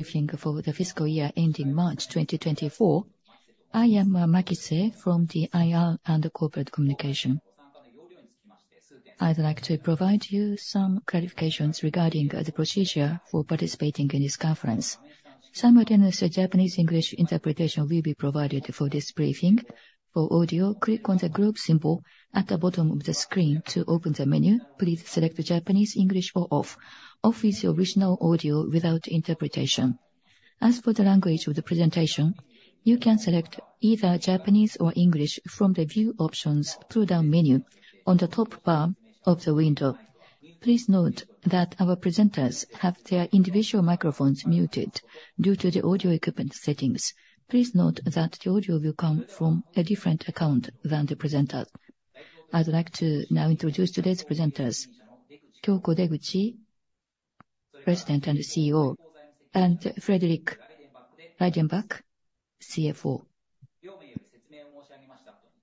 Briefing for the Fiscal Year ending March 2024. I am, Makise from the IR and Corporate Communication. I'd like to provide you some clarifications regarding the procedure for participating in this conference. Simultaneous Japanese English interpretation will be provided for this briefing. For audio, click on the globe symbol at the bottom of the screen to open the menu. Please select the Japanese, English, or off. Off is the original audio without interpretation. As for the language of the presentation, you can select either Japanese or English from the View options pull-down menu on the top bar of the window. Please note that our presenters have their individual microphones muted due to the audio equipment settings. Please note that the audio will come from a different account than the presenter. I'd like to now introduce today's presenters: Kyoko Deguchi, President and CEO, and Frederick Reidenbach, CFO.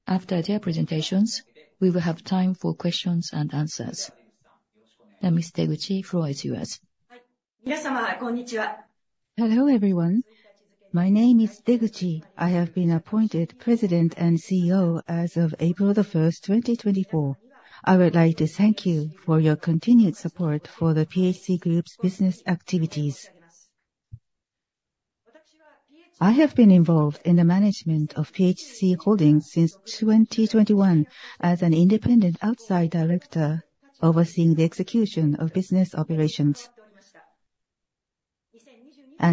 After their presentations, we will have time for questions and answers. Now, Ms. Deguchi, the floor is yours. Hello, everyone. My name is Deguchi. I have been appointed President and CEO as of April 1, 2024. I would like to thank you for your continued support for the PHC Group's business activities. I have been involved in the management of PHC Holdings since 2021 as an independent outside director overseeing the execution of business operations.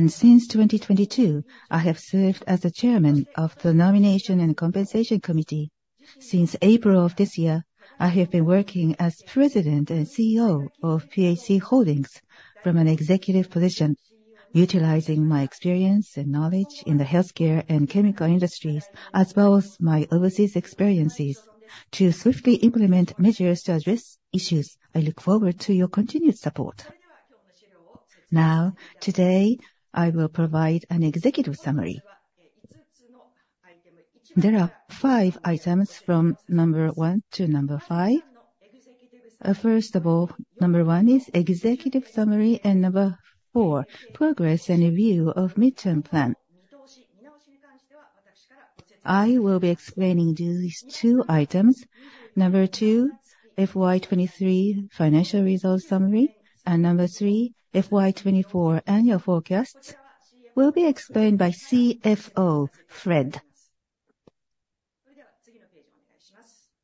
Since 2022, I have served as the chairman of the Nomination and Compensation Committee. Since April of this year, I have been working as President and CEO of PHC Holdings from an executive position, utilizing my experience and knowledge in the healthcare and chemical industries, as well as my overseas experiences, to swiftly implement measures to address issues. I look forward to your continued support. Now, today, I will provide an executive summary. There are 5 items from number 1 to number 5. First of all, number 1 is executive summary and number 4, progress and review of midterm plan. I will be explaining these two items. Number 2, FY 2023 financial results summary, and number 3, FY 2024 annual forecasts will be explained by CFO Fred.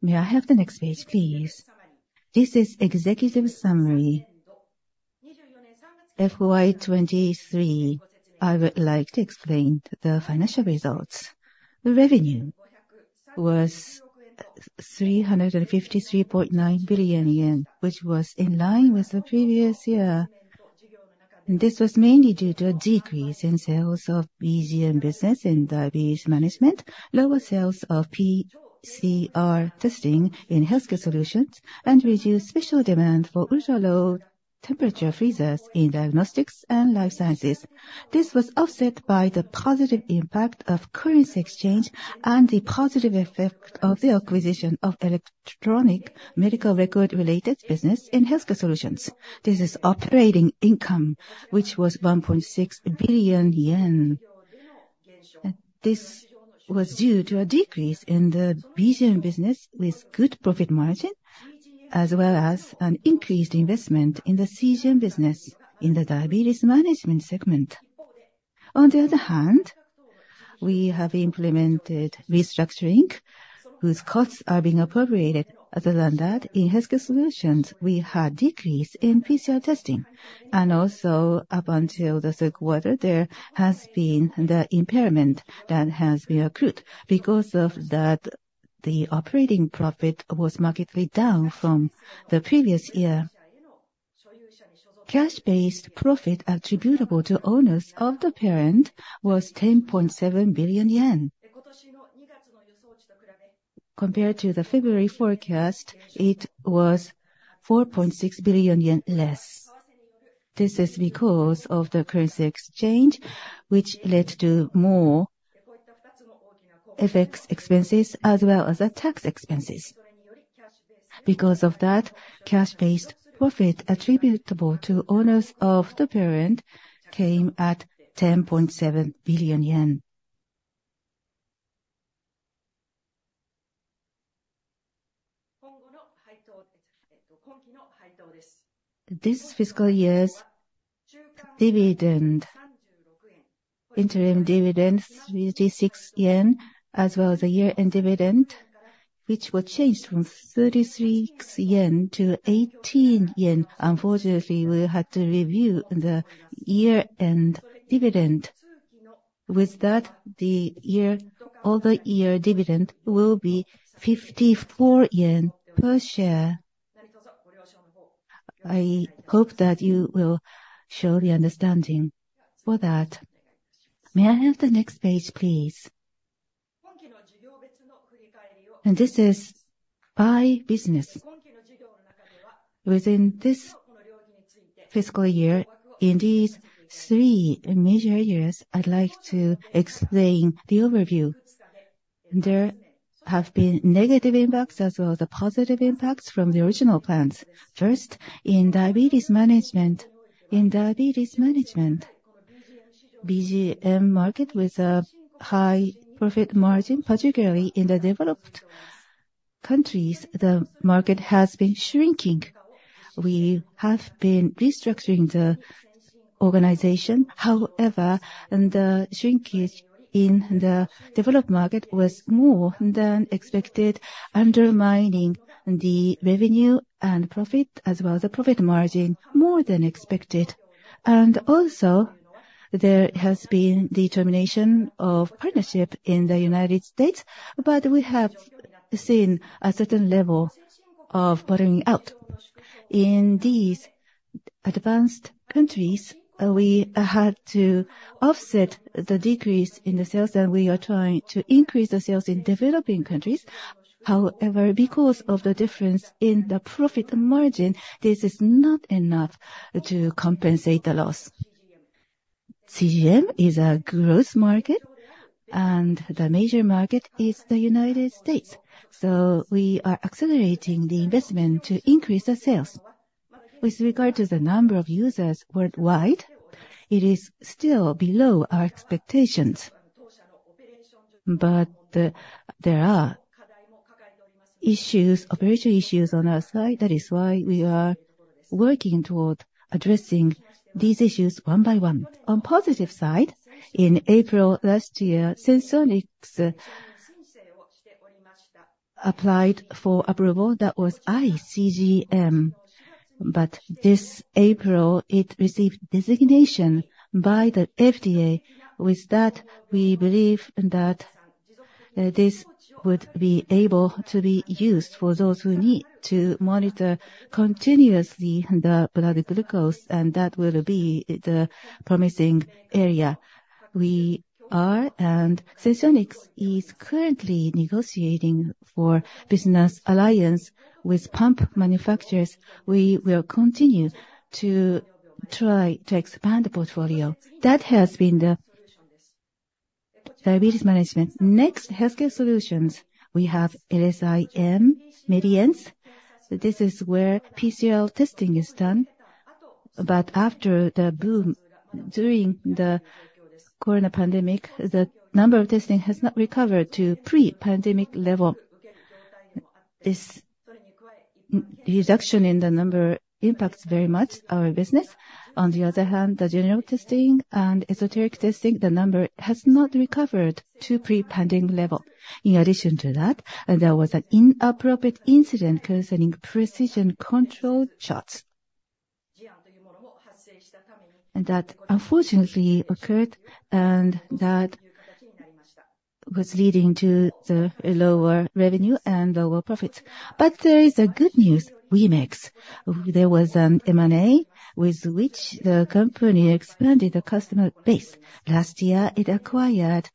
May I have the next page, please? This is executive summary. FY 2023, I would like to explain the financial results. The revenue was 353.9 billion yen, which was in line with the previous year. This was mainly due to a decrease in sales of BGM business in diabetes management, lower sales of PCR testing in healthcare solutions, and reduced special demand for ultra-low temperature freezers in diagnostics and life sciences. This was offset by the positive impact of currency exchange and the positive effect of the acquisition of electronic medical record-related business in healthcare solutions. This is operating income, which was 1.6 billion yen. This was due to a decrease in the BGM business with good profit margin, as well as an increased investment in the CGM business in the diabetes management segment. On the other hand, we have implemented restructuring, whose costs are being appropriated. Other than that, in healthcare solutions, we had decrease in PCR testing, and also up until the third quarter, there has been the impairment that has been accrued. Because of that, the operating profit was markedly down from the previous year. Cash-based profit attributable to owners of the parent was 10.7 billion yen. Compared to the February forecast, it was 4.6 billion yen less. This is because of the currency exchange, which led to more FX expenses as well as the tax expenses. Because of that, cash-based profit attributable to owners of the parent came at JPY 10.7 billion. This fiscal year's dividend, interim dividend, 36 yen, as well as the year-end dividend, which was changed from 33 yen to 18 yen. Unfortunately, we had to review the year-end dividend. With that, the year - all the year dividend will be 54 yen per share. I hope that you will show the understanding for that. May I have the next page, please? And this is by business. Within this fiscal year, in these three major areas, I'd like to explain the overview. There have been negative impacts as well as the positive impacts from the original plans. First, in diabetes management. In diabetes management, BGM market with a high profit margin, particularly in the developed countries, the market has been shrinking. We have been restructuring the organization, however, and the shrinkage in the developed market was more than expected, undermining the revenue and profit, as well as the profit margin, more than expected. And also, there has been the termination of partnership in the United States, but we have seen a certain level of bottoming out. In these advanced countries, we had to offset the decrease in the sales, and we are trying to increase the sales in developing countries. However, because of the difference in the profit margin, this is not enough to compensate the loss. CGM is a growth market, and the major market is the United States, so we are accelerating the investment to increase the sales. With regard to the number of users worldwide, it is still below our expectations, but, there are issues, operational issues on our side. That is why we are working toward addressing these issues one by one. On positive side, in April last year, Senseonics applied for approval. That was iCGM, but this April, it received designation by the FDA. With that, we believe that this would be able to be used for those who need to monitor continuously the blood glucose, and that will be the promising area. We are, and Senseonics is currently negotiating for business alliance with pump manufacturers. We will continue to try to expand the portfolio. That has been the diabetes management. Next, healthcare solutions. We have LSI Medience. This is where PCR testing is done. But after the boom, during the corona pandemic, the number of testing has not recovered to pre-pandemic level. This reduction in the number impacts very much our business. On the other hand, the general testing and esoteric testing, the number has not recovered to pre-pandemic level. In addition to that, there was an inappropriate incident concerning precision control charts. That unfortunately occurred, and that was leading to the lower revenue and lower profits. There is good news, Wemex. There was an M&A, with which the company expanded the customer base. Last year, it acquired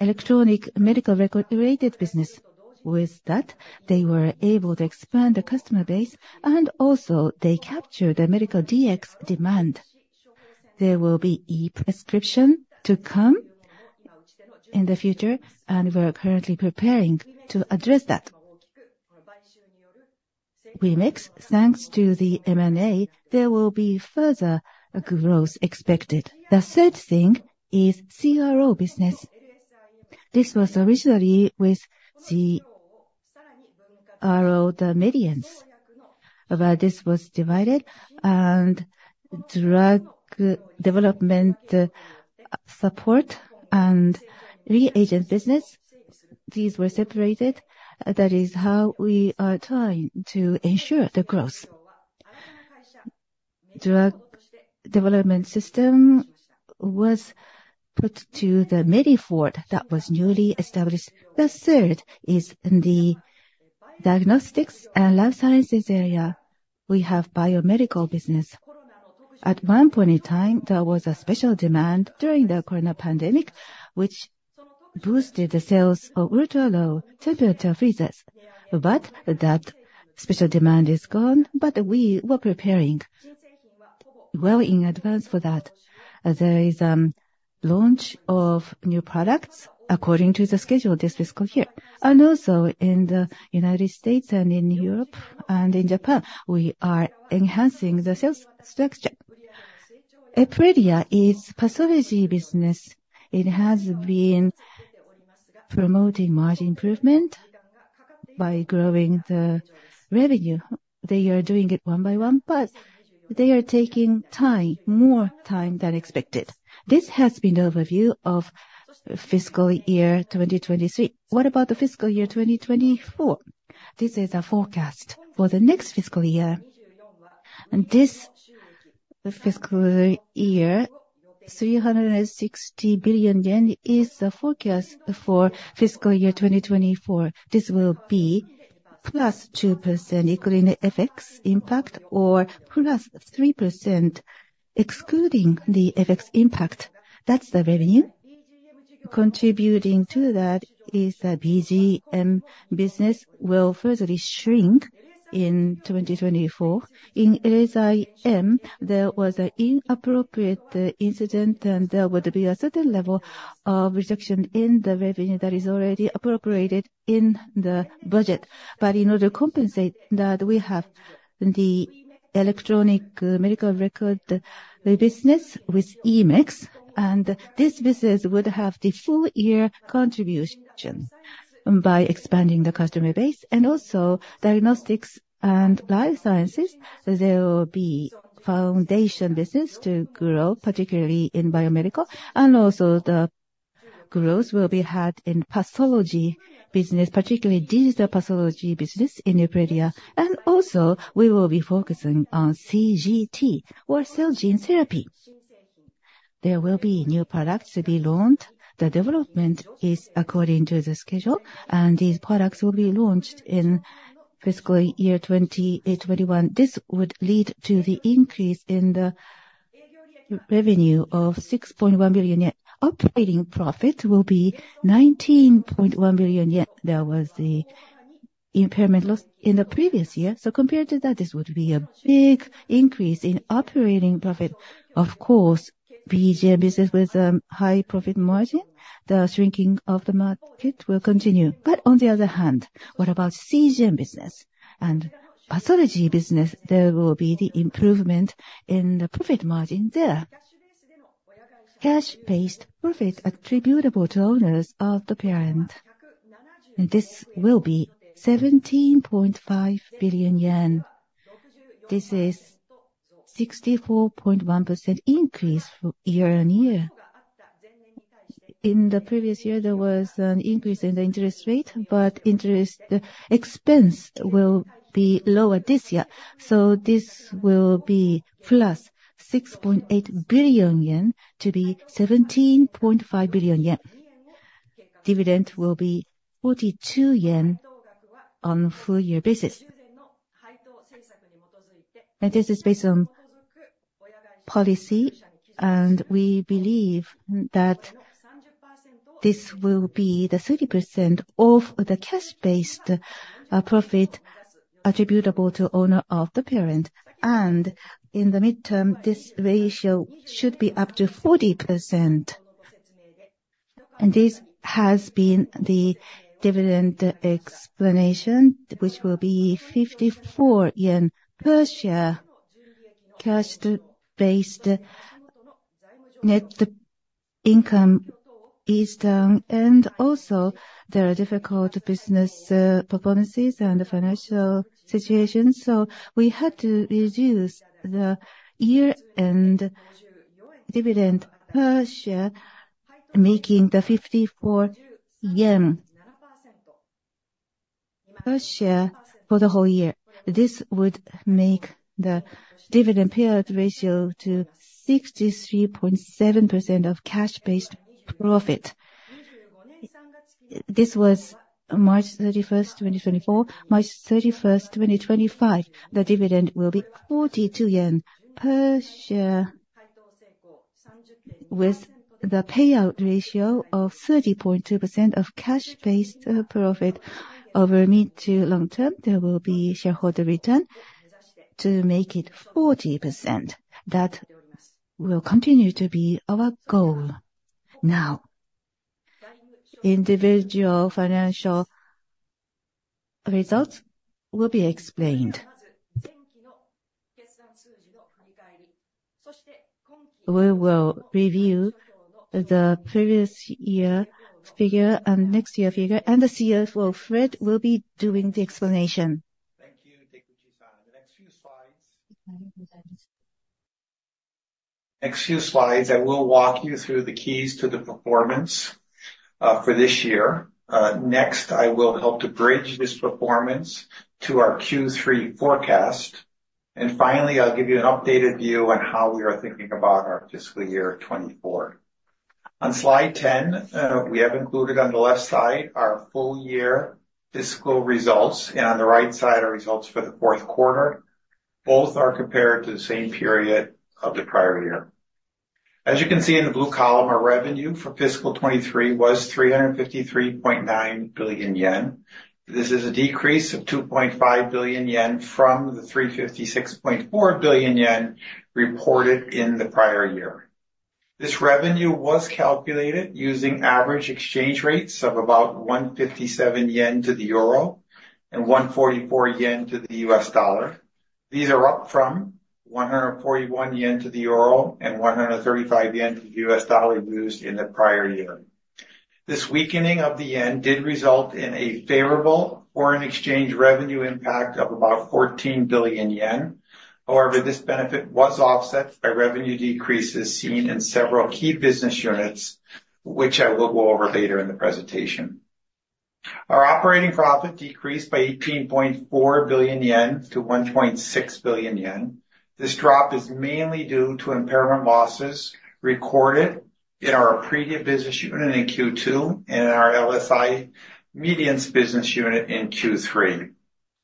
electronic medical record-related business. With that, they were able to expand the customer base, and also they captured the medical DX demand. There will be e-prescription to come in the future, and we're currently preparing to address that. Wemex, thanks to the M&A, there will be further growth expected. The third thing is CRO business. This was originally with CRO, the Medience, but this was divided, and drug development support and reagent business, these were separated. That is how we are trying to ensure the growth. Drug development system was put to the Mediford that was newly established. The third is in the diagnostics and life sciences area. We have biomedical business. At one point in time, there was a special demand during the corona pandemic, which boosted the sales of ultra-low temperature freezers. But that special demand is gone, but we were preparing well in advance for that. There is a launch of new products according to the schedule this fiscal year. And also, in the United States and in Europe and in Japan, we are enhancing the sales structure. Epredia is pathology business. It has been promoting margin improvement by growing the revenue. They are doing it one by one, but they are taking time, more time than expected. This has been the overview of fiscal year 2023. What about the fiscal year 2024? This is a forecast for the next fiscal year. And this fiscal year, 360 billion yen is the forecast for fiscal year 2024. This will be +2%, including the FX impact, or +3% excluding the FX impact. That's the revenue. contributing to that is the BGM business will further shrink in 2024. In LSIM, there was an inappropriate incident, and there would be a certain level of reduction in the revenue that is already appropriated in the budget. But in order to compensate that, we have the electronic, medical record, the business with Wemex, and this business would have the full year contribution by expanding the customer base. And also diagnostics and life sciences, there will be foundation business to grow, particularly in biomedical. Also the growth will be had in pathology business, particularly digital pathology business in Epredia. Also we will be focusing on CGT or cell gene therapy. There will be new products to be launched. The development is according to the schedule, and these products will be launched in fiscal year 2021. This would lead to the increase in the revenue of 6.1 billion yen. Operating profit will be 19.1 billion yen. There was the impairment loss in the previous year, so compared to that, this would be a big increase in operating profit. Of course, BGM business with high profit margin, the shrinking of the market will continue. But on the other hand, what about CGM business and pathology business? There will be the improvement in the profit margin there. Cash-based profit attributable to owners of the parent, and this will be 17.5 billion yen. This is 64.1% increase year-on-year. In the previous year, there was an increase in the interest rate, but interest expense will be lower this year, so this will be plus 6.8 billion yen, to be 17.5 billion yen. Dividend will be 42 yen on a full year basis. And this is based on policy, and we believe that this will be the 30% of the cash-based profit attributable to owner of the parent. And in the midterm, this ratio should be up to 40%. And this has been the dividend explanation, which will be 54 yen per share. Cash-based net income is down, and also there are difficult business performances and financial situation, so we had to reduce the year-end dividend per share, making the 54 yen per share for the whole year. This would make the dividend payout ratio to 63.7% of cash-based profit. This was March 31, 2024. March 31, 2025, the dividend will be 42 yen per share, with the payout ratio of 30.2% of cash-based profit. Over mid to long term, there will be shareholder return to make it 40%. That will continue to be our goal. Now, individual financial results will be explained. We will review the previous year figure and next year figure, and the CFO, Fred, will be doing the explanation. Thank you, Deguchi. The next few slides- next few slides, I will walk you through the keys to the performance for this year. Next, I will help to bridge this performance to our Q3 forecast. Finally, I'll give you an updated view on how we are thinking about our fiscal year 2024. On slide 10, we have included on the left side our full year fiscal results, and on the right side, our results for the fourth quarter. Both are compared to the same period of the prior year. As you can see in the blue column, our revenue for fiscal 2023 was 353.9 billion yen. This is a decrease of 2.5 billion yen from the 356.4 billion yen reported in the prior year. This revenue was calculated using average exchange rates of about 157 yen to the euro and 144 yen to the U.S. dollar. These are up from 141 yen to the euro and 135 yen to the U.S. dollar used in the prior year. This weakening of the yen did result in a favorable foreign exchange revenue impact of about 14 billion yen. However, this benefit was offset by revenue decreases seen in several key business units, which I will go over later in the presentation. Our operating profit decreased by 18.4 billion yen to 1.6 billion yen. This drop is mainly due to impairment losses recorded in our Epredia business unit in Q2 and in our LSI Medience business unit in Q3.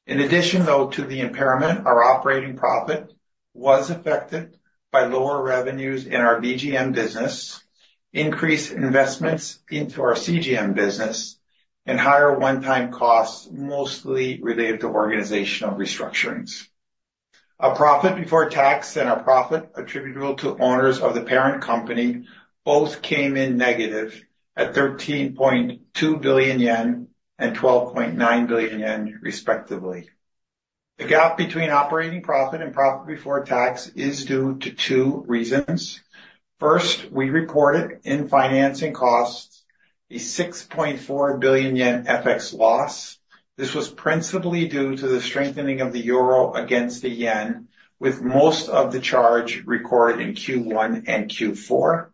In addition, though, to the impairment, our operating profit was affected by lower revenues in our BGM business, increased investments into our CGM business, and higher one-time costs, mostly related to organizational restructurings. Our profit before tax and our profit attributable to owners of the parent company both came in negative at 13.2 billion yen and 12.9 billion yen, respectively. The gap between operating profit and profit before tax is due to two reasons. First, we recorded in financing costs a 6.4 billion yen FX loss. This was principally due to the strengthening of the euro against the yen, with most of the charge recorded in Q1 and Q4.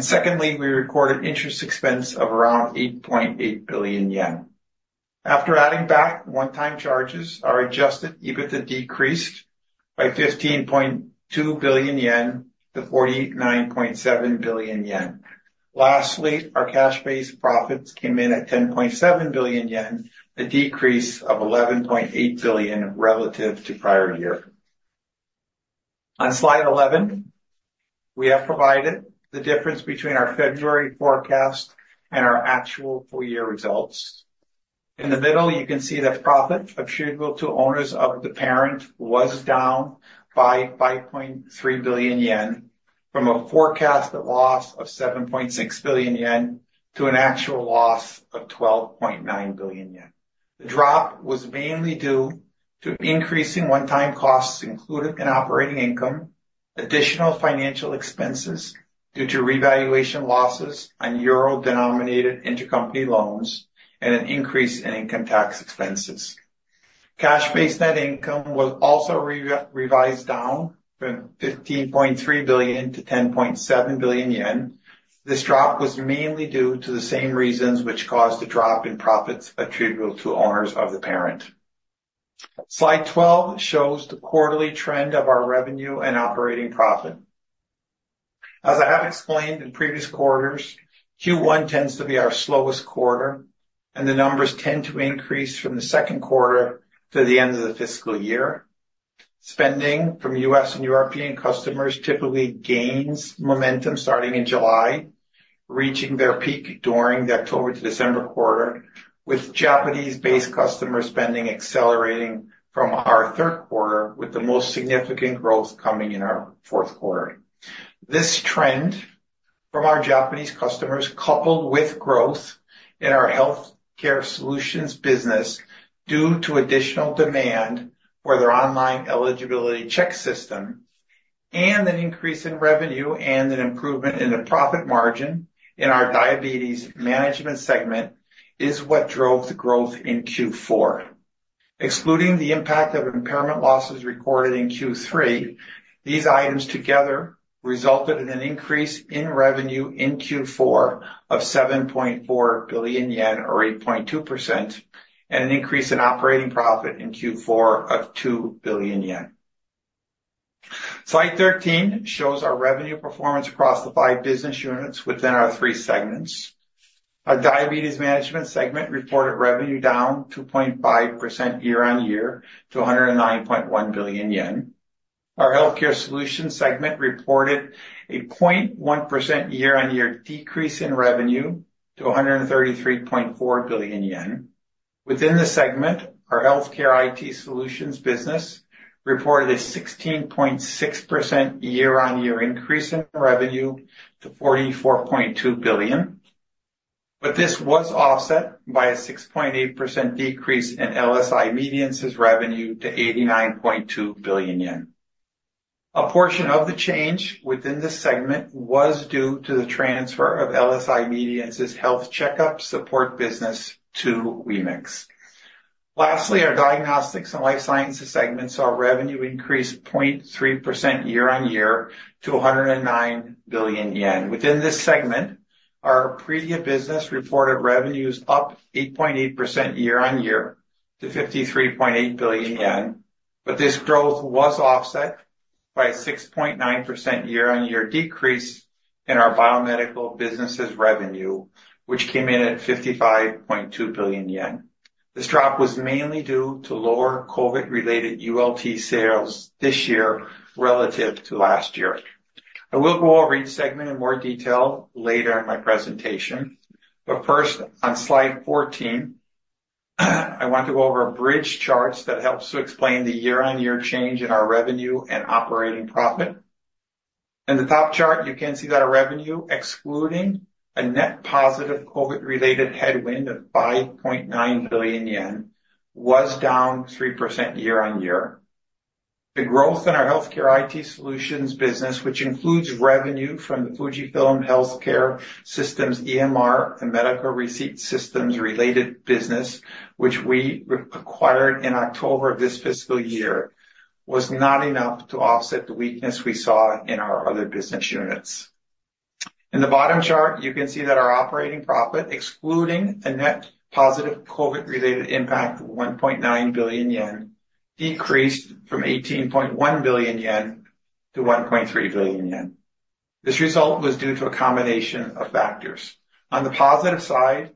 Secondly, we recorded interest expense of around 8.8 billion yen. After adding back one-time charges, our Adjusted EBITDA decreased by 15.2 billion yen to 49.7 billion yen. Lastly, our cash-based profits came in at 10.7 billion yen, a decrease of 11.8 billion relative to prior year. On Slide 11, we have provided the difference between our February forecast and our actual full year results. In the middle, you can see that profit attributable to owners of the parent was down by 5.3 billion yen from a forecasted loss of 7.6 billion yen to an actual loss of 12.9 billion yen. The drop was mainly due to increasing one-time costs included in operating income, additional financial expenses due to revaluation losses on euro-denominated intercompany loans, and an increase in income tax expenses. Cash-based net income was also revised down from 15.3 billion to 10.7 billion yen. This drop was mainly due to the same reasons which caused the drop in profits attributable to owners of the parent. Slide 12 shows the quarterly trend of our revenue and operating profit. As I have explained in previous quarters, Q1 tends to be our slowest quarter, and the numbers tend to increase from the second quarter to the end of the fiscal year. Spending from U.S. and European customers typically gains momentum starting in July, reaching their peak during the October to December quarter, with Japanese-based customer spending accelerating from our third quarter, with the most significant growth coming in our fourth quarter. This trend from our Japanese customers, coupled with growth in our healthcare solutions business due to additional demand for their online eligibility check system, and an increase in revenue and an improvement in the profit margin in our diabetes management segment, is what drove the growth in Q4. Excluding the impact of impairment losses recorded in Q3, these items together resulted in an increase in revenue in Q4 of 7.4 billion yen, or 8.2%, and an increase in operating profit in Q4 of 2 billion yen. Slide 13 shows our revenue performance across the five business units within our three segments. Our diabetes management segment reported revenue down 2.5% year-on-year to 109.1 billion yen Our healthcare solutions segment reported a 0.1% year-on-year decrease in revenue to 133.4 billion yen. Within the segment, our healthcare IT solutions business reported a 16.6% year-on-year increase in revenue to 44.2 billion, but this was offset by a 6.8% decrease in LSI Medience's revenue to 89.2 billion yen. A portion of the change within this segment was due to the transfer of LSI Medience's health checkup support business to Wemex. Lastly, our diagnostics and life sciences segment saw revenue increase 0.3% year-on-year to 109 billion yen. Within this segment, our previous business reported revenues up 8.8% year-on-year to 53.8 billion yen, but this growth was offset by a 6.9% year-on-year decrease in our biomedical business's revenue, which came in at 55.2 billion yen. This drop was mainly due to lower COVID-related ULT sales this year relative to last year. I will go over each segment in more detail later in my presentation, but first, on slide 14, I want to go over a bridge chart that helps to explain the year-on-year change in our revenue and operating profit. In the top chart, you can see that our revenue, excluding a net positive COVID-related headwind of 5.9 billion yen, was down 3% year-on-year. The growth in our healthcare IT solutions business, which includes revenue from the FUJIFILM Healthcare Systems, EMR, and medical receipt systems-related business, which we acquired in October of this fiscal year, was not enough to offset the weakness we saw in our other business units. In the bottom chart, you can see that our operating profit, excluding a net positive COVID-related impact of 1.9 billion yen, decreased from 18.1 billion yen to 1.3 billion yen. This result was due to a combination of factors. On the positive side,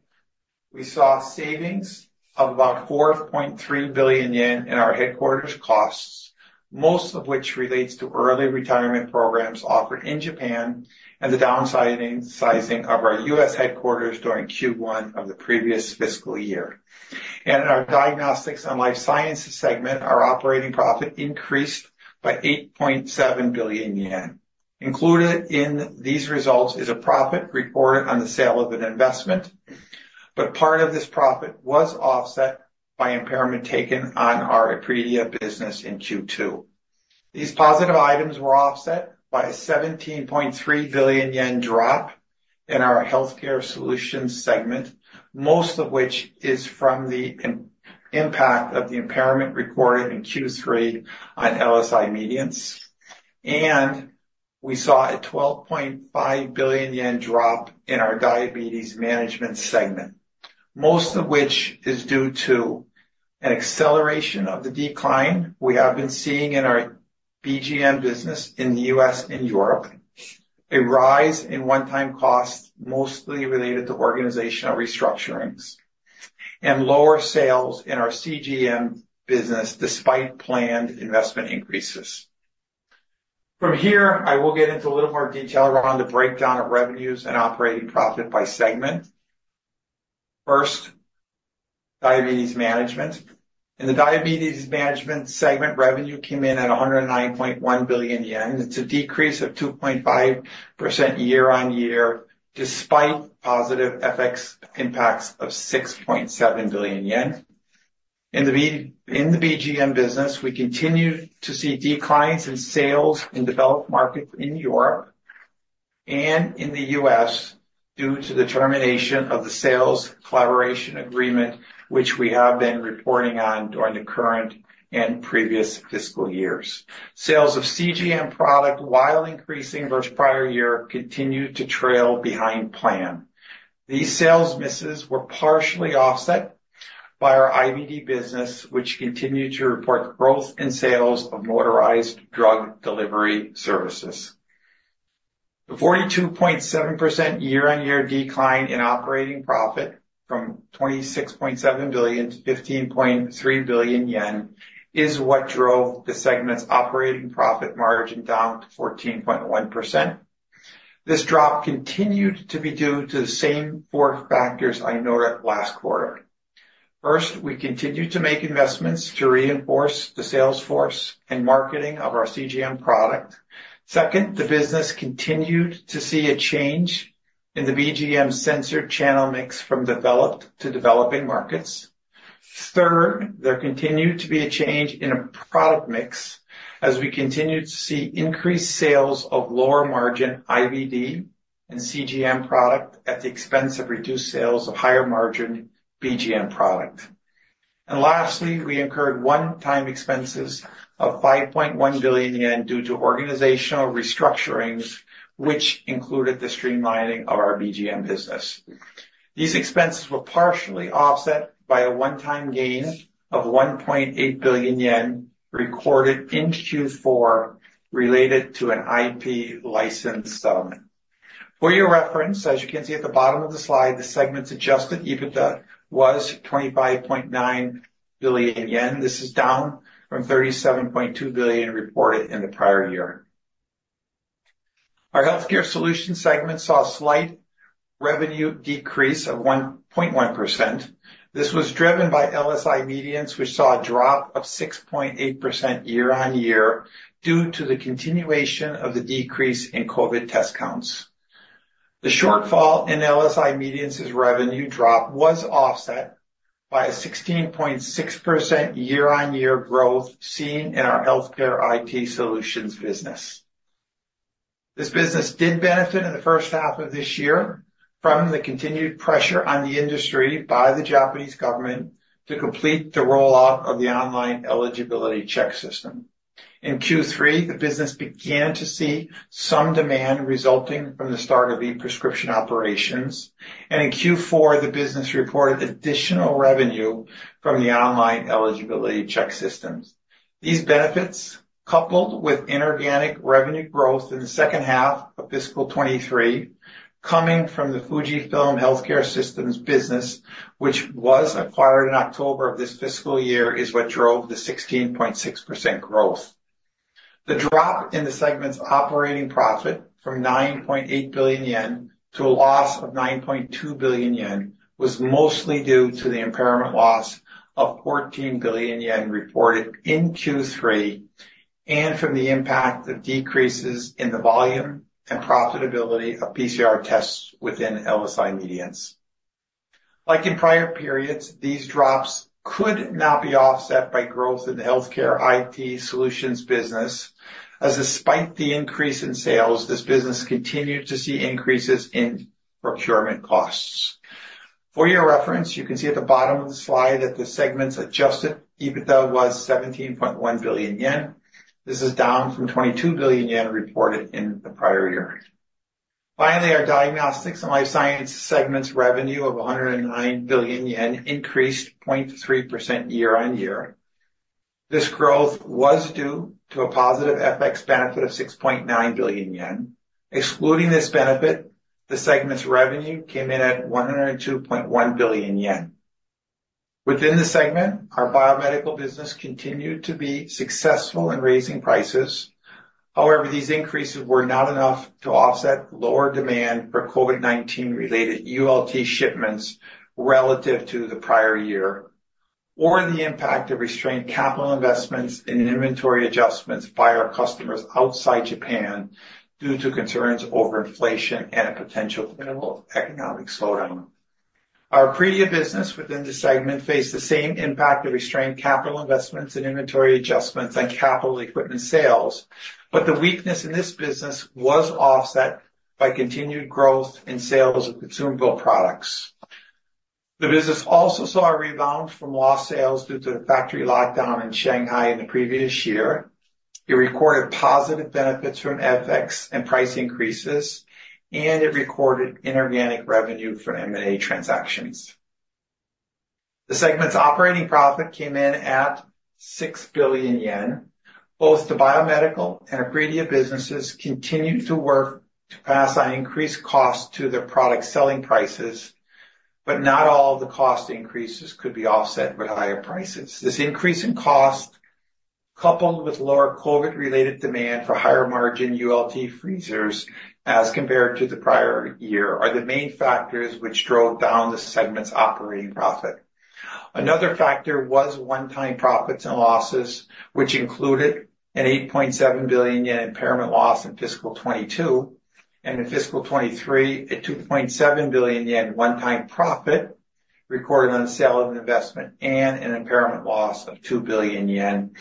we saw savings of about 4.3 billion yen in our headquarters costs, most of which relates to early retirement programs offered in Japan and the downsizing of our U.S. headquarters during Q1 of the previous fiscal year. In our diagnostics and life sciences segment, our operating profit increased by 8.7 billion yen. Included in these results is a profit reported on the sale of an investment, but part of this profit was offset by impairment taken on our Epredia business in Q2. These positive items were offset by a 17.3 billion yen drop in our healthcare solutions segment, most of which is from the impact of the impairment recorded in Q3 on LSI Medience. We saw a 12.5 billion yen drop in our diabetes management segment, most of which is due to an acceleration of the decline we have been seeing in our BGM business in the U.S. and Europe. A rise in one-time costs, mostly related to organizational restructurings, and lower sales in our CGM business, despite planned investment increases. From here, I will get into a little more detail around the breakdown of revenues and operating profit by segment. First, diabetes management. In the diabetes management segment, revenue came in at 109.1 billion yen. It's a decrease of 2.5% year-on-year, despite positive FX impacts of 6.7 billion yen. In the BGM business, we continued to see declines in sales in developed markets in Europe and in the U.S. due to the termination of the sales collaboration agreement, which we have been reporting on during the current and previous fiscal years. Sales of CGM product, while increasing versus prior year, continued to trail behind plan. These sales misses were partially offset by our IVD business, which continued to report growth in sales of motorized drug delivery services. The 42.7% year-on-year decline in operating profit from 26.7 billion to 15.3 billion yen is what drove the segment's operating profit margin down to 14.1%. This drop continued to be due to the same four factors I noted last quarter. First, we continued to make investments to reinforce the sales force and marketing of our CGM product. Second, the business continued to see a change in the BGM sensor channel mix from developed to developing markets. Third, there continued to be a change in a product mix as we continued to see increased sales of lower margin IVD and CGM product at the expense of reduced sales of higher margin BGM product. And lastly, we incurred one-time expenses of 5.1 billion yen due to organizational restructurings, which included the streamlining of our BGM business. These expenses were partially offset by a one-time gain of 1.8 billion yen, recorded in Q4, related to an IP license settlement. For your reference, as you can see at the bottom of the slide, the segment's Adjusted EBITDA was 25.9 billion yen. This is down from 37.2 billion reported in the prior year. Our healthcare solutions segment saw a slight revenue decrease of 1.1%. This was driven by LSI Medience, which saw a drop of 6.8% year-on-year, due to the continuation of the decrease in COVID test counts. The shortfall in LSI Medience's revenue drop was offset by a 16.6% year-on-year growth seen in our healthcare IT solutions business. This business did benefit in the first half of this year from the continued pressure on the industry by the Japanese government to complete the rollout of the online eligibility check system. In Q3, the business began to see some demand resulting from the start of e-prescription operations, and in Q4, the business reported additional revenue from the online eligibility check systems. These benefits, coupled with inorganic revenue growth in the second half of fiscal 2023, coming from the FUJIFILM Healthcare Systems business, which was acquired in October of this fiscal year, is what drove the 16.6% growth. The drop in the segment's operating profit from 9.8 billion yen to a loss of 9.2 billion yen was mostly due to the impairment loss of 14 billion yen reported in Q3, and from the impact of decreases in the volume and profitability of PCR tests within LSI Medience. Like in prior periods, these drops could not be offset by growth in the healthcare IT solutions business, as despite the increase in sales, this business continued to see increases in procurement costs. For your reference, you can see at the bottom of the slide that the segment's adjusted EBITDA was 17.1 billion yen. This is down from 22 billion yen reported in the prior year. Finally, our diagnostics and life sciences segment's revenue of 109 billion yen increased 0.3% year-on-year. This growth was due to a positive FX benefit of 6.9 billion yen. Excluding this benefit, the segment's revenue came in at 102.1 billion yen. Within the segment, our biomedical business continued to be successful in raising prices. However, these increases were not enough to offset lower demand for COVID-19 related ULT shipments relative to the prior year, or the impact of restrained capital investments and inventory adjustments by our customers outside Japan due to concerns over inflation and a potential global economic slowdown. Our Epredia business within the segment faced the same impact of restrained capital investments and inventory adjustments on capital equipment sales, but the weakness in this business was offset by continued growth in sales of consumable products. The business also saw a rebound from lost sales due to the factory lockdown in Shanghai in the previous year. It recorded positive benefits from FX and price increases, and it recorded inorganic revenue from M&A transactions. The segment's operating profit came in at 6 billion yen. Both the biomedical and Epredia businesses continued to work to pass on increased costs to their product selling prices, but not all of the cost increases could be offset with higher prices. This increase in cost, coupled with lower COVID-related demand for higher margin ULT freezers as compared to the prior year, are the main factors which drove down the segment's operating profit. Another factor was one-time profits and losses, which included a 8.7 billion yen impairment loss in fiscal 2022, and in fiscal 2023, a 2.7 billion yen one-time profit recorded on the sale of an investment, and an impairment loss of 2 billion yen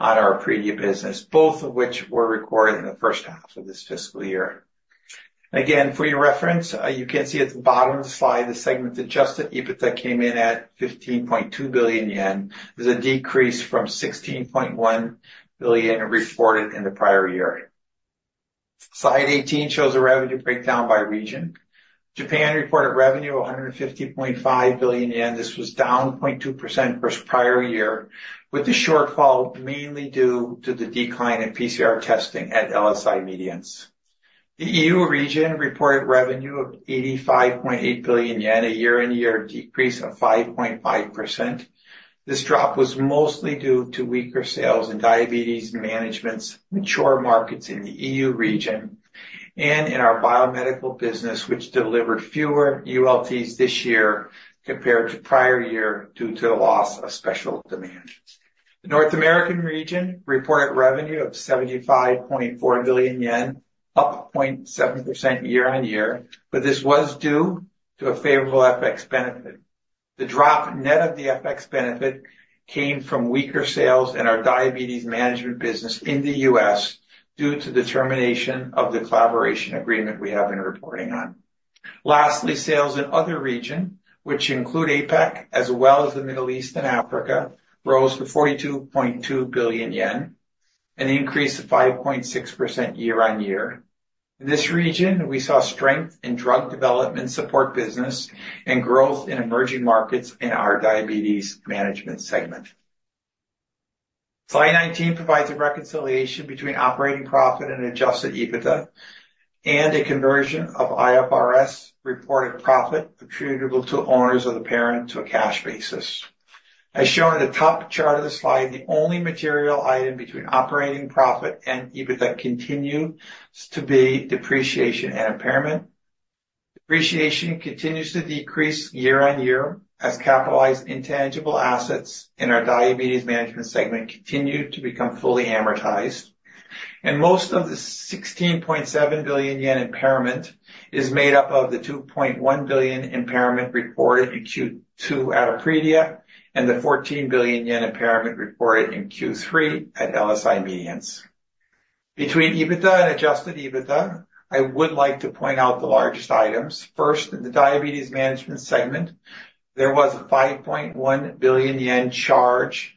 on our Epredia business, both of which were recorded in the first half of this fiscal year. Again, for your reference, you can see at the bottom of the slide, the segment's adjusted EBITDA came in at 15.2 billion yen, is a decrease from 16.1 billion reported in the prior year. Slide 18 shows a revenue breakdown by region. Japan reported revenue of 150.5 billion yen. This was down 0.2% versus prior year, with the shortfall mainly due to the decline in PCR testing at LSI Medience. The EU region reported revenue of 85.8 billion yen, a year-on-year decrease of 5.5%. This drop was mostly due to weaker sales in diabetes management's mature markets in the EU region and in our biomedical business, which delivered fewer ULTs this year compared to prior year, due to the loss of special demands. The North American region reported revenue of 75.4 billion yen, up 0.7% year-on-year, but this was due to a favorable FX benefit. The drop net of the FX benefit came from weaker sales in our diabetes management business in the U.S. due to the termination of the collaboration agreement we have been reporting on. Lastly, sales in other region, which include APAC as well as the Middle East and Africa, rose to 42.2 billion yen, an increase of 5.6% year-on-year. In this region, we saw strength in drug development support business, and growth in emerging markets in our diabetes management segment. Slide 19 provides a reconciliation between operating profit and adjusted EBITDA, and a conversion of IFRS reported profit attributable to owners of the parent to a cash basis. As shown in the top chart of the slide, the only material item between operating profit and EBITDA continues to be depreciation and impairment. Depreciation continues to decrease year-on-year, as capitalized intangible assets in our diabetes management segment continue to become fully amortized. Most of the 16.7 billion yen impairment is made up of the 2.1 billion impairment reported in Q2 at Epredia, and the 14 billion yen impairment reported in Q3 at LSI Medience. Between EBITDA and adjusted EBITDA, I would like to point out the largest items. First, in the diabetes management segment, there was a 5.1 billion yen charge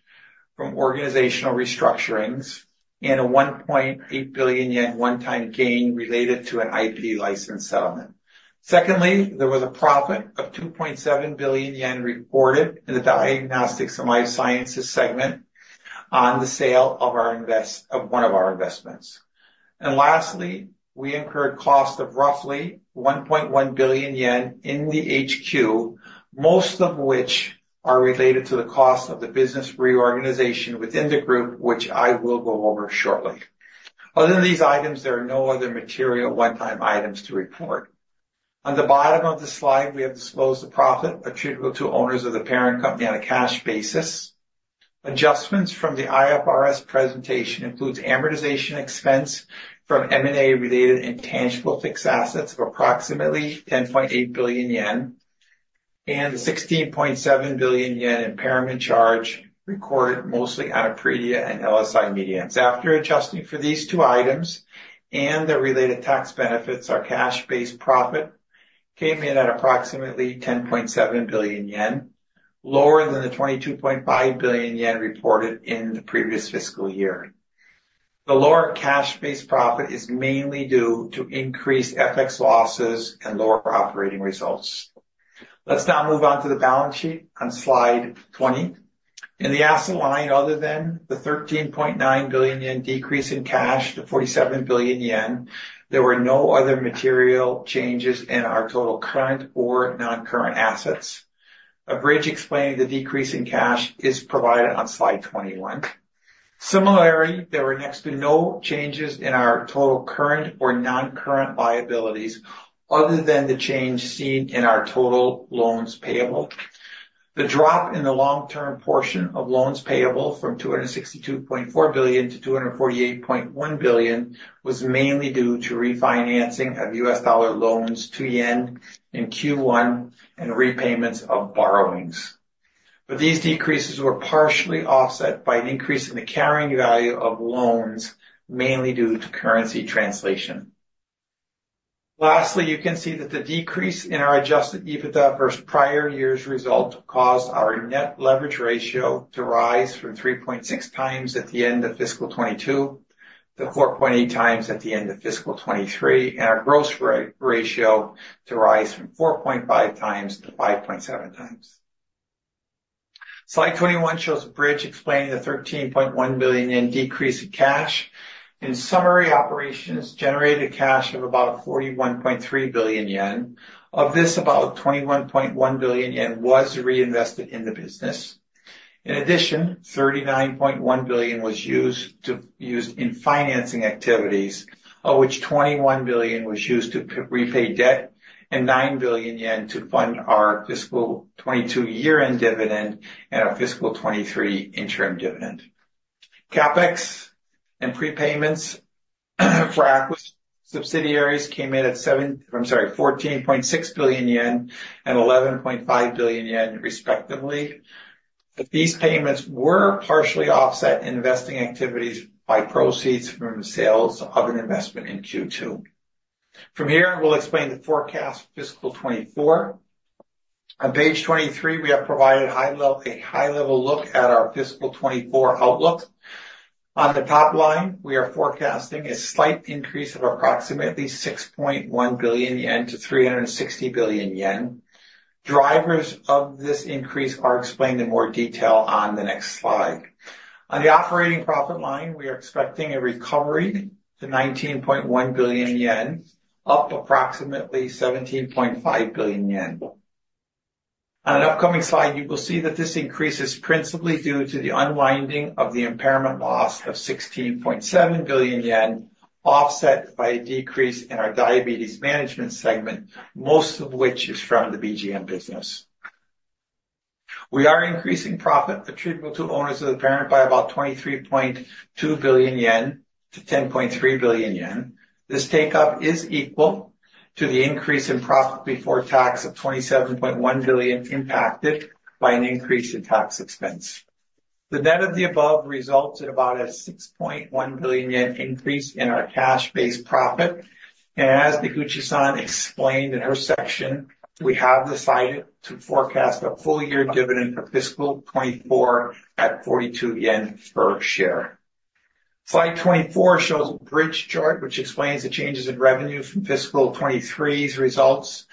from organizational restructurings and a 1.8 billion yen one-time gain related to an IP license settlement. Secondly, there was a profit of 2.7 billion yen reported in the diagnostics and life sciences segment on the sale of one of our investments. And lastly, we incurred costs of roughly 1.1 billion yen in the HQ, most of which are related to the cost of the business reorganization within the group, which I will go over shortly. Other than these items, there are no other material one-time items to report. On the bottom of the slide, we have disclosed the profit attributable to owners of the parent company on a cash basis. Adjustments from the IFRS presentation includes amortization expense from M&A-related intangible fixed assets of approximately 10.8 billion yen, and the 16.7 billion yen impairment charge recorded mostly on Epredia and LSI Medience. After adjusting for these two items and the related tax benefits, our cash-based profit came in at approximately 10.7 billion yen, lower than the 22.5 billion yen reported in the previous fiscal year. The lower cash base profit is mainly due to increased FX losses and lower operating results. Let's now move on to the balance sheet on slide 20. In the asset line, other than the 13.9 billion yen decrease in cash to 47 billion yen, there were no other material changes in our total current or non-current assets. A bridge explaining the decrease in cash is provided on slide 21. Similarly, there were next to no changes in our total current or non-current liabilities other than the change seen in our total loans payable. The drop in the long-term portion of loans payable from 262.4 billion to 248.1 billion was mainly due to refinancing of U.S. dollar loans to yen in Q1, and repayments of borrowings. But these decreases were partially offset by an increase in the carrying value of loans, mainly due to currency translation. Lastly, you can see that the decrease in our adjusted EBITDA versus prior year's result caused our net leverage ratio to rise from 3.6x at the end of fiscal 2022, to 4.8x at the end of fiscal 2023, and our gross ratio to rise from 4.5x to 5.7x. Slide 21 shows a bridge explaining the 13.1 billion decrease in cash. In summary, operations generated cash of about 41.3 billion yen. Of this, about 21.1 billion yen was reinvested in the business. In addition, 39.1 billion was used in financing activities, of which 21 billion was used to repay debt and 9 billion yen to fund our fiscal 2022 year-end dividend and our fiscal 2023 interim dividend. CapEx and prepayments for acquired subsidiaries came in at. I'm sorry, 14.6 billion yen and 11.5 billion yen, respectively. But these payments were partially offset in investing activities by proceeds from the sales of an investment in Q2. From here, we'll explain the forecast for fiscal 2024. On page 23, we have provided a high-level look at our fiscal 2024 outlook. On the top line, we are forecasting a slight increase of approximately 6.1 billion yen to 360 billion yen. Drivers of this increase are explained in more detail on the next slide. On the operating profit line, we are expecting a recovery to 19.1 billion yen, up approximately 17.5 billion yen. On an upcoming slide, you will see that this increase is principally due to the unwinding of the impairment loss of 16.7 billion yen, offset by a decrease in our diabetes management segment, most of which is from the BGM business. We are increasing profit attributable to owners of the parent by about 23.2 billion yen to 10.3 billion yen. This take up is equal to the increase in profit before tax of 27.1 billion, impacted by an increase in tax expense. The net of the above results in about a 6.1 billion yen increase in our cash-based profit, and as Deguchi-san explained in her section, we have decided to forecast a full year dividend for fiscal 2024 at 42 yen per share. Slide 24 shows a bridge chart, which explains the changes in revenue from fiscal 2023's results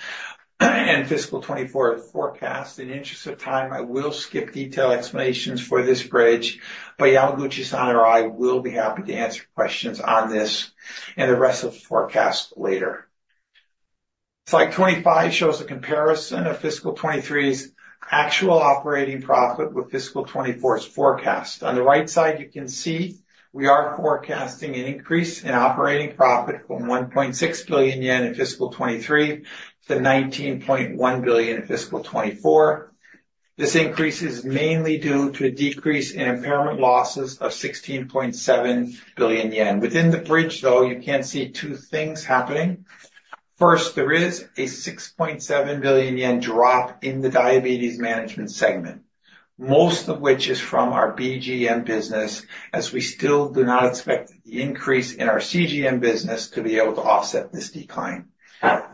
and fiscal 2024 forecast. In the interest of time, I will skip detailed explanations for this bridge, but Yamaguchi-san or I will be happy to answer questions on this and the rest of the forecast later. Slide 25 shows a comparison of fiscal 2023's actual operating profit with fiscal 2024's forecast. On the right side, you can see we are forecasting an increase in operating profit from 1.6 billion yen in fiscal 2023 to 19.1 billion in fiscal 2024. This increase is mainly due to a decrease in impairment losses of 16.7 billion yen. Within the bridge, though, you can see two things happening. First, there is a 6.7 billion yen drop in the diabetes management segment, most of which is from our BGM business, as we still do not expect the increase in our CGM business to be able to offset this decline.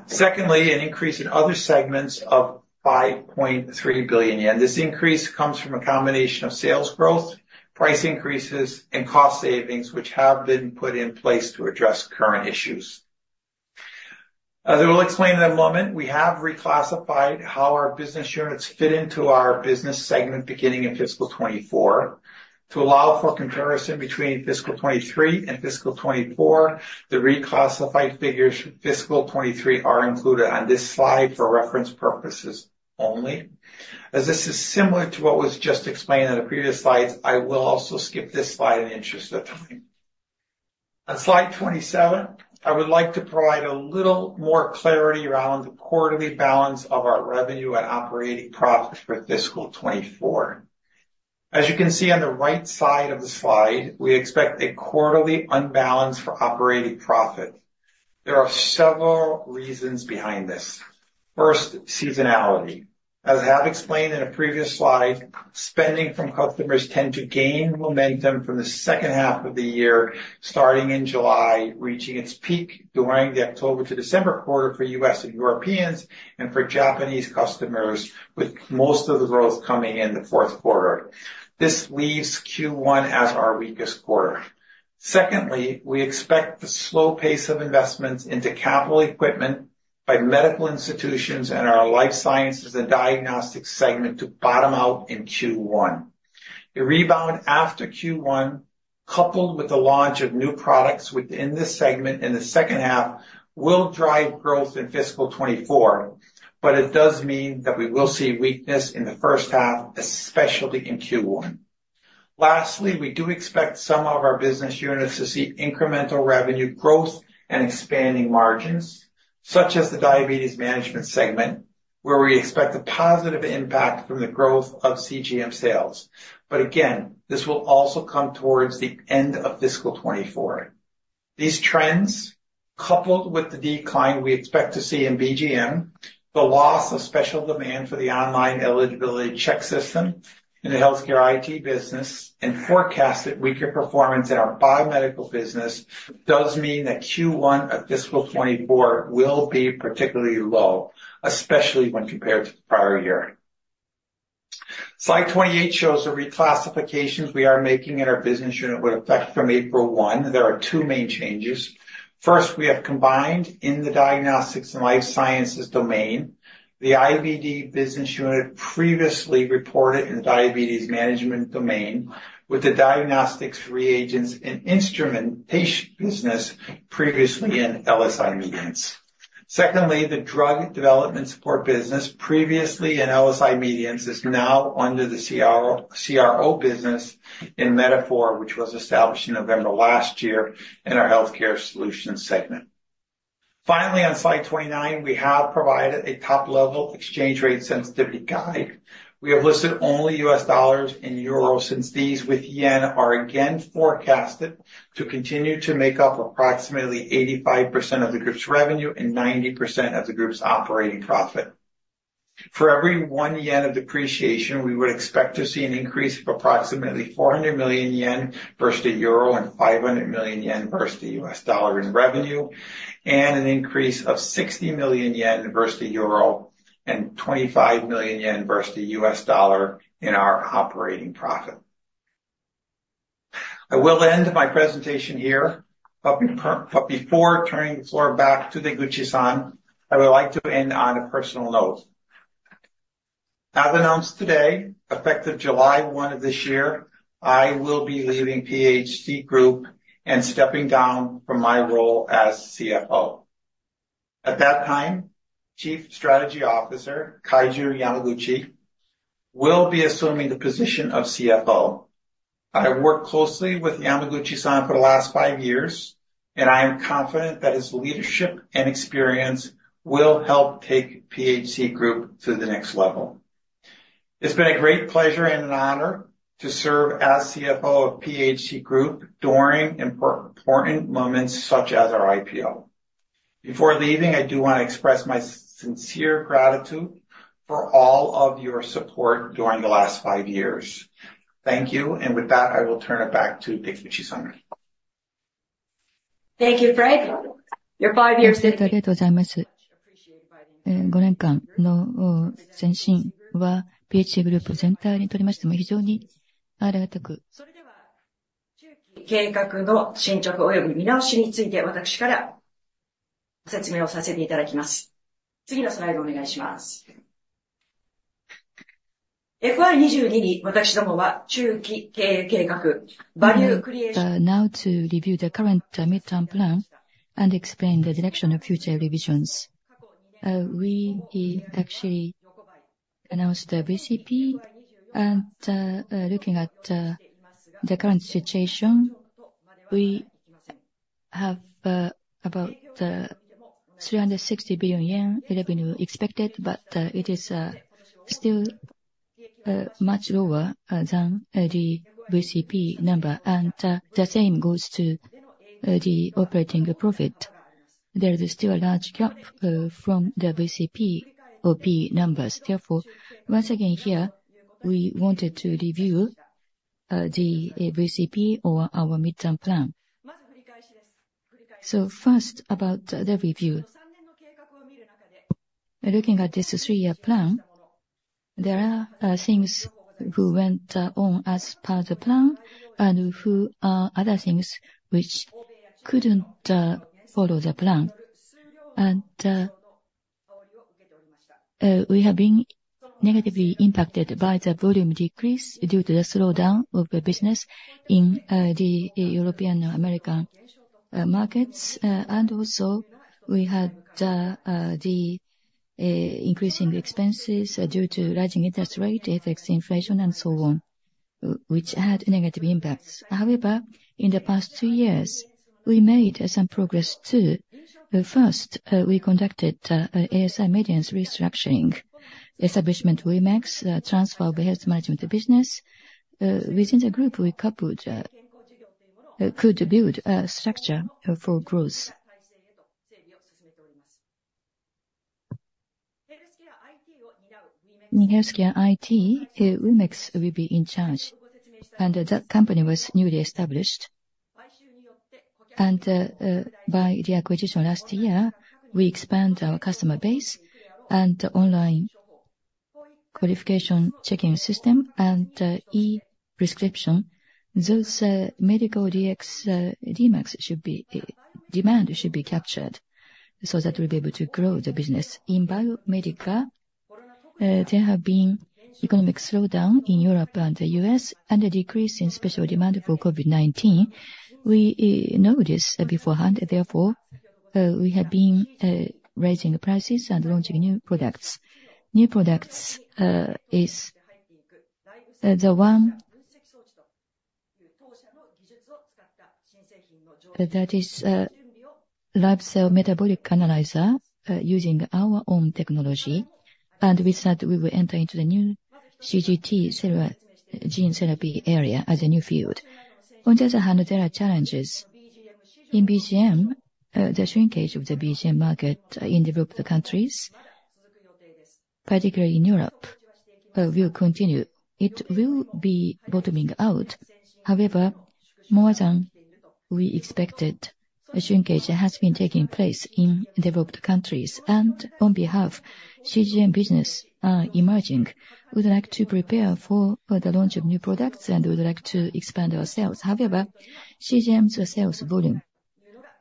Secondly, an increase in other segments of 5.3 billion yen. This increase comes from a combination of sales growth, price increases, and cost savings, which have been put in place to address current issues. As I will explain in a moment, we have reclassified how our business units fit into our business segment beginning in fiscal 2024. To allow for comparison between fiscal 2023 and fiscal 2024, the reclassified figures for fiscal 2023 are included on this slide for reference purposes only. As this is similar to what was just explained in the previous slides, I will also skip this slide in the interest of time. On slide 27, I would like to provide a little more clarity around the quarterly balance of our revenue and operating profits for fiscal 2024. As you can see on the right side of the slide, we expect a quarterly unbalance for operating profit. There are several reasons behind this. First, seasonality. As I have explained in a previous slide, spending from customers tend to gain momentum from the second half of the year, starting in July, reaching its peak during the October to December quarter for U.S. and Europeans, and for Japanese customers, with most of the growth coming in the fourth quarter. This leaves Q1 as our weakest quarter. Secondly, we expect the slow pace of investments into capital equipment by medical institutions and our life sciences and diagnostic segment to bottom out in Q1. A rebound after Q1, coupled with the launch of new products within this segment in the second half, will drive growth in fiscal 2024, but it does mean that we will see weakness in the first half, especially in Q1. Lastly, we do expect some of our business units to see incremental revenue growth and expanding margins, such as the diabetes management segment, where we expect a positive impact from the growth of CGM sales. But again, this will also come towards the end of fiscal 2024. These trends, coupled with the decline we expect to see in BGM, the loss of special demand for the online eligibility check system in the healthcare IT business, and forecasted weaker performance in our biomedical business, does mean that Q1 of fiscal 2024 will be particularly low, especially when compared to the prior year. Slide 28 shows the reclassifications we are making in our business unit with effect from April 1. There are two main changes. First, we have combined in the diagnostics and life sciences domain, the IVD business unit previously reported in the diabetes management domain, with the diagnostics, reagents, and instrumentation business previously in LSI Medience. Secondly, the drug development support business, previously in LSI Medience, is now under the CRO, CRO business in Mediford, which was established in November last year in our healthcare solutions segment. Finally, on slide 29, we have provided a top-level exchange rate sensitivity guide. We have listed only U.S. dollars and euros, since these with yen are again forecasted to continue to make up approximately 85% of the group's revenue and 90% of the group's operating profit. For every one yen of depreciation, we would expect to see an increase of approximately 400 million yen versus the euro, and 500 million yen versus the U.S. dollar in revenue, and an increase of 60 million yen versus the euro, and 25 million yen versus the U.S. dollar in our operating profit. I will end my presentation here, but before turning the floor back to Deguchi-san, I would like to end on a personal note. As announced today, effective July 1 of this year, I will be leaving PHC Group and stepping down from my role as CFO. At that time, Chief Strategy Officer Kaiju Yamaguchi will be assuming the position of CFO. I worked closely with Yamaguchi-san for the last five years, and I am confident that his leadership and experience will help take PHC Group to the next level. It's been a great pleasure and an honor to serve as CFO of PHC Group during important moments such as our IPO. Before leaving, I do want to express my sincere gratitude for all of your support during the last five years. Thank you. And with that, I will turn it back to Deguchi-san. Thank you, Fred. Now to review the current mid-term plan and explain the direction of future revisions. We actually announced the VCP, and, looking at, the current situation, we have, about, 360 billion yen revenue expected, but, it is, still, much lower, than, the VCP number. And, the same goes to, the operating profit. There is still a large gap, from the VCP OP numbers. Therefore, once again, here, we wanted to review, the, VCP or our mid-term plan. So first, about the review. Looking at this three-year plan, there are, things who went, on as part of the plan and who, other things which couldn't, follow the plan. We have been negatively impacted by the volume decrease due to the slowdown of the business in the European and American markets. And also, we had the increasing expenses due to rising interest rate, FX inflation, and so on, which had negative impacts. However, in the past two years, we made some progress, too. First, we conducted LSI Medience restructuring, establishment Wemex, transfer of health management business. Within the group, we could build a structure for growth. In healthcare IT, Wemex will be in charge, and that company was newly established. And, by the acquisition last year, we expanded our customer base and online-... qualification checking system and e-prescription, those medical DX, demand should be captured, so that we'll be able to grow the business. In biomedical, there have been economic slowdown in Europe and the US, and a decrease in special demand for COVID-19. We know this beforehand, therefore, we have been raising prices and launching new products. New products is the one that is a live cell metabolic analyzer using our own technology, and with that, we will enter into the new CGT cell and gene therapy area as a new field. On the other hand, there are challenges. In BGM, the shrinkage of the BGM market in developed countries, particularly in Europe, will continue. It will be bottoming out. However, more than we expected, a shrinkage has been taking place in developed countries, and on behalf, CGM business are emerging. We'd like to prepare for, for the launch of new products, and we'd like to expand our sales. However, CGM's sales volume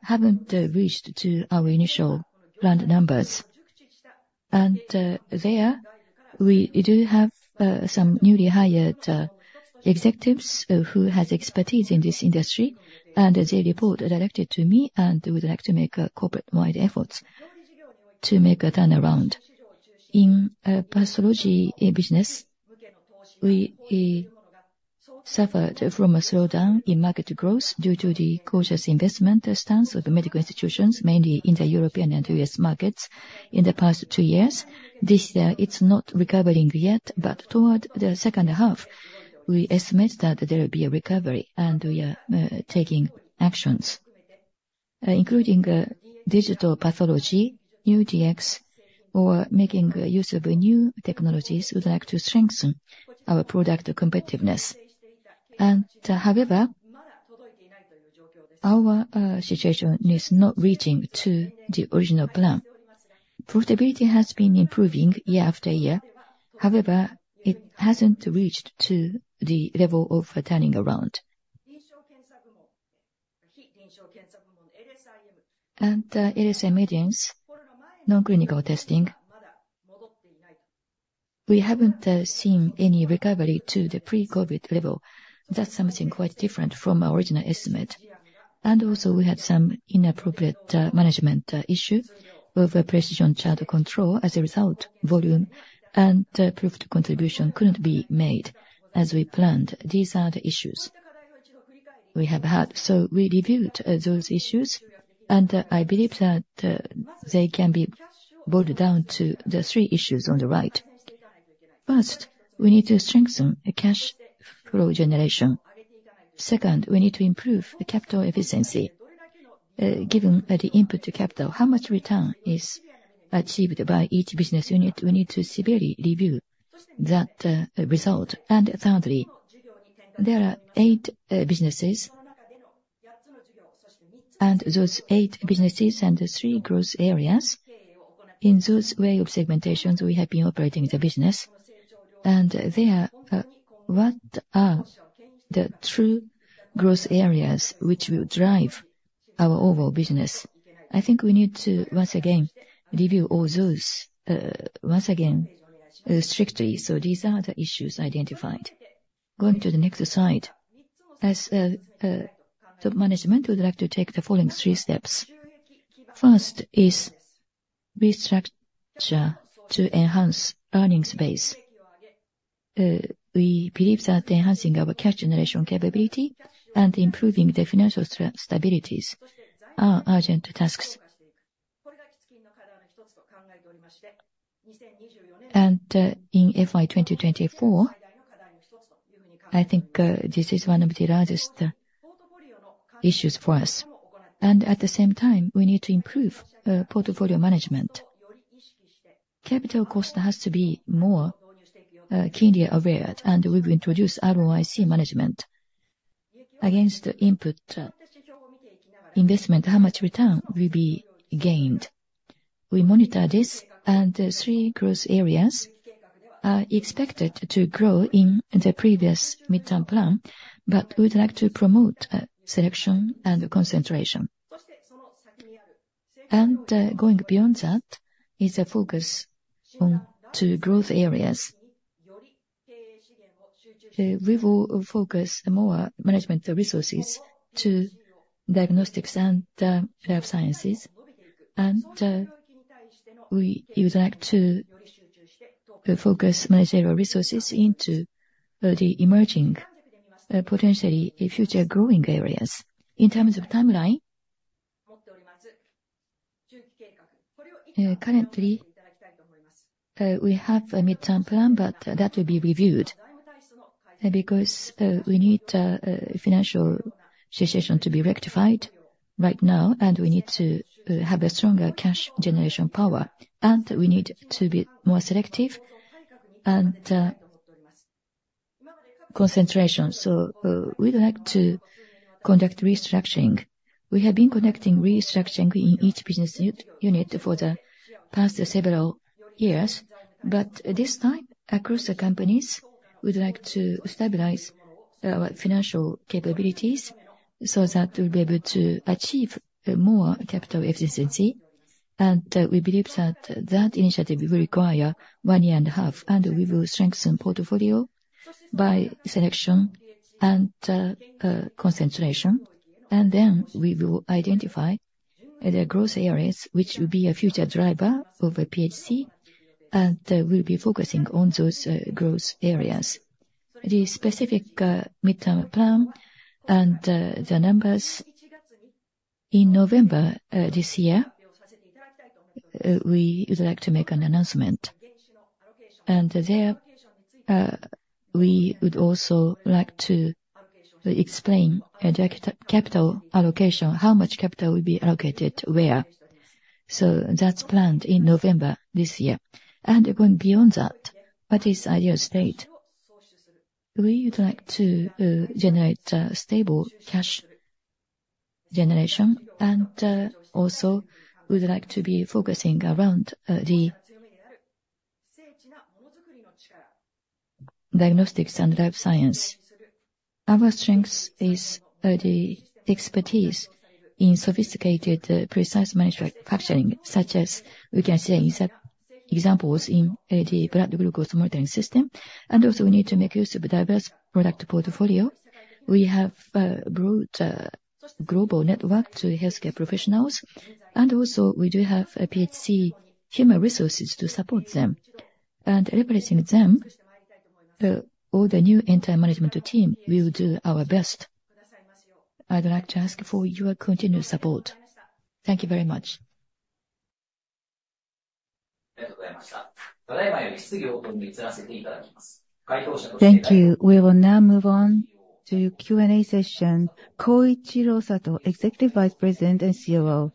haven't reached to our initial planned numbers. And, there, we do have some newly hired executives who has expertise in this industry, and their report directed to me, and we would like to make corporate-wide efforts to make a turnaround. In pathology business, we suffered from a slowdown in market growth due to the cautious investment stance of the medical institutions, mainly in the European and U.S. markets in the past two years. This year, it's not recovering yet, but toward the second half, we estimate that there will be a recovery, and we are taking actions, including digital pathology, new DX, or making use of new technologies. We'd like to strengthen our product competitiveness. However, our situation is not reaching to the original plan. Profitability has been improving year after year. However, it hasn't reached to the level of turning around. LSI Medience, non-clinical testing, we haven't seen any recovery to the pre-COVID level. That's something quite different from our original estimate. Also, we had some inappropriate management issue over precision charter control. As a result, volume and profit contribution couldn't be made as we planned. These are the issues we have had. So we reviewed those issues, and I believe that they can be boiled down to the three issues on the right. First, we need to strengthen the cash flow generation. Second, we need to improve the capital efficiency. Given the input to capital, how much return is achieved by each business unit? We need to severely review that result. And thirdly, there are eight businesses, and those eight businesses and the three growth areas, in those way of segmentations, we have been operating the business. And there, what are the true growth areas which will drive our overall business? I think we need to, once again, review all those, once again, strictly. So these are the issues identified. Going to the next slide. As top management, we would like to take the following three steps. First is restructure to enhance earnings base. We believe that enhancing our cash generation capability and improving the financial stabilities are urgent tasks. In FY 2024, I think, this is one of the largest issues for us, and at the same time, we need to improve, portfolio management. Capital cost has to be more, keenly aware, and we will introduce ROIC management. Against the input investment, how much return will be gained? We monitor this, and the three growth areas are expected to grow in the previous midterm plan, but we would like to promote, selection and concentration. Going beyond that is a focus on to growth areas. We will focus more management resources to diagnostics and, life sciences, and, we would like to, focus managerial resources into, the emerging, potentially future growing areas. In terms of timeline, currently we have a midterm plan, but that will be reviewed because we need financial situation to be rectified right now, and we need to have a stronger cash generation power, and we need to be more selective and concentration, so we'd like to conduct restructuring. We have been conducting restructuring in each business unit for the past several years, but this time, across the companies, we'd like to stabilize our financial capabilities so that we'll be able to achieve more capital efficiency. And we believe that that initiative will require one year and a half, and we will strengthen portfolio by selection and concentration. And then we will identify the growth areas, which will be a future driver of PHC, and we'll be focusing on those growth areas. The specific, midterm plan and, the numbers in November, this year, we would like to make an announcement. There, we would also like to explain and direct capital allocation, how much capital will be allocated where. That's planned in November this year. Going beyond that, what is ideal state? We would like to, generate, stable cash generation, and, also we'd like to be focusing around, the diagnostics and life science. Our strengths is, the expertise in sophisticated, precise manufacturing, such as we can say examples in, the blood glucose monitoring system. And also, we need to make use of a diverse product portfolio. We have, built a global network to healthcare professionals, and also we do have a PHC human resources to support them. Representing them, all the new entire management team, we will do our best. I'd like to ask for your continued support. Thank you very much. Thank you. We will now move on to Q&A session. Koichiro Sato, Executive Vice President and COO,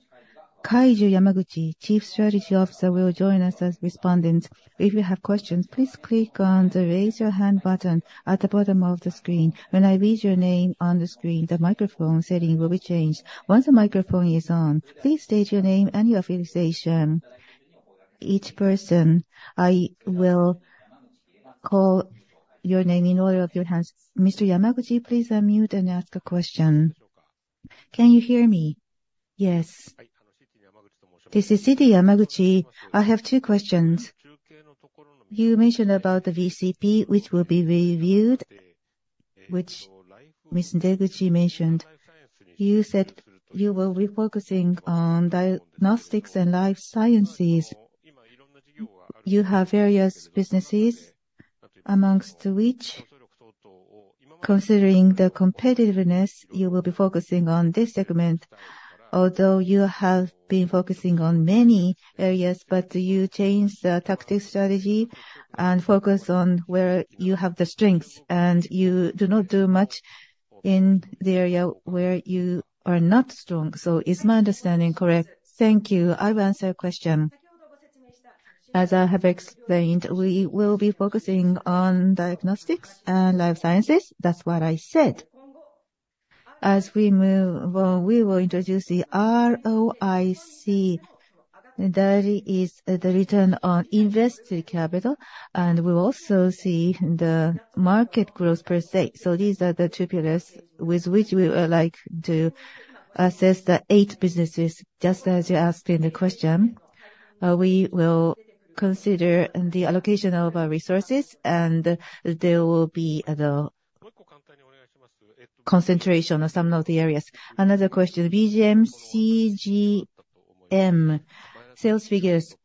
Kaiju Yamaguchi, Chief Strategy Officer, will join us as respondents. If you have questions, please click on the Raise Your Hand button at the bottom of the screen. When I read your name on the screen, the microphone setting will be changed. Once the microphone is on, please state your name and your affiliation. Each person, I will call your name in order of your hands. Mr. Yamaguchi, please unmute and ask a question. Can you hear me? Yes. This is Kaiju Yamaguchi. I have two questions. You mentioned about the VCP, which will be reviewed, which Ms. Deguchi mentioned. You said you will be focusing on diagnostics and life sciences. You have various businesses, amongst which, considering the competitiveness, you will be focusing on this segment. Although you have been focusing on many areas, but you change the tactic strategy and focus on where you have the strengths, and you do not do much in the area where you are not strong. So is my understanding correct? Thank you. I will answer your question. As I have explained, we will be focusing on diagnostics and life sciences. That's what I said. As we move, we will introduce the ROIC, that is, the return on invested capital, and we'll also see the market growth per se. So these are the two pillars with which we would like to assess the eight businesses, just as you asked in the question. We will consider the allocation of our resources, and there will be the concentration on some of the areas. Another question: BGM CGM sales figures,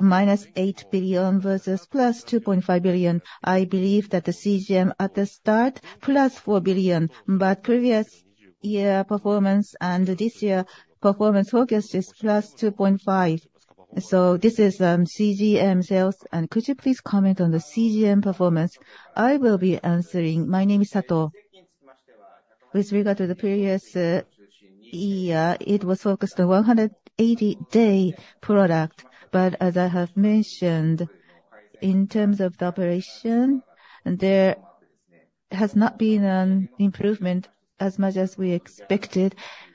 -8 billion versus +2.5 billion. I believe that the CGM at the start, +4 billion, but previous year performance and this year, performance focus is +2.5. So this is, CGM sales, and could you please comment on the CGM performance? I will be answering. My name is Sato. With regard to the previous year, it was focused on 180-day product, but as I have mentioned, in terms of the operation, there has not been an improvement as much as we expected,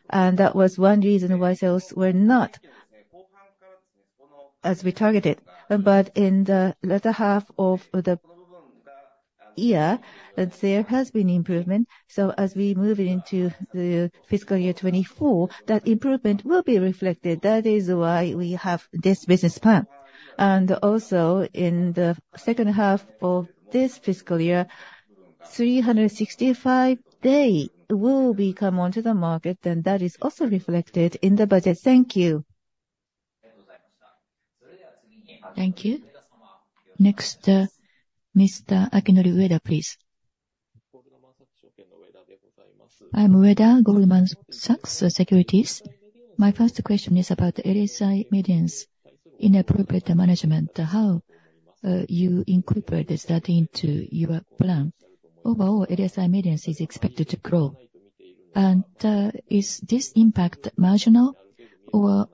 and that was one reason why sales were not as we targeted. But in the latter half of the year, there has been improvement. So as we move into the fiscal year 2024, that improvement will be reflected. That is why we have this business plan. Also, in the second half of this fiscal year, 365-day will be come onto the market, and that is also reflected in the budget. Thank you. Thank you. Next, Mr. Akinori Ueda, please. I'm Ueda, Goldman Sachs Securities. My first question is about the LSI Medience inappropriate management. How you incorporated that into your plan? Overall, LSI Medience is expected to grow. And, is this impact marginal or,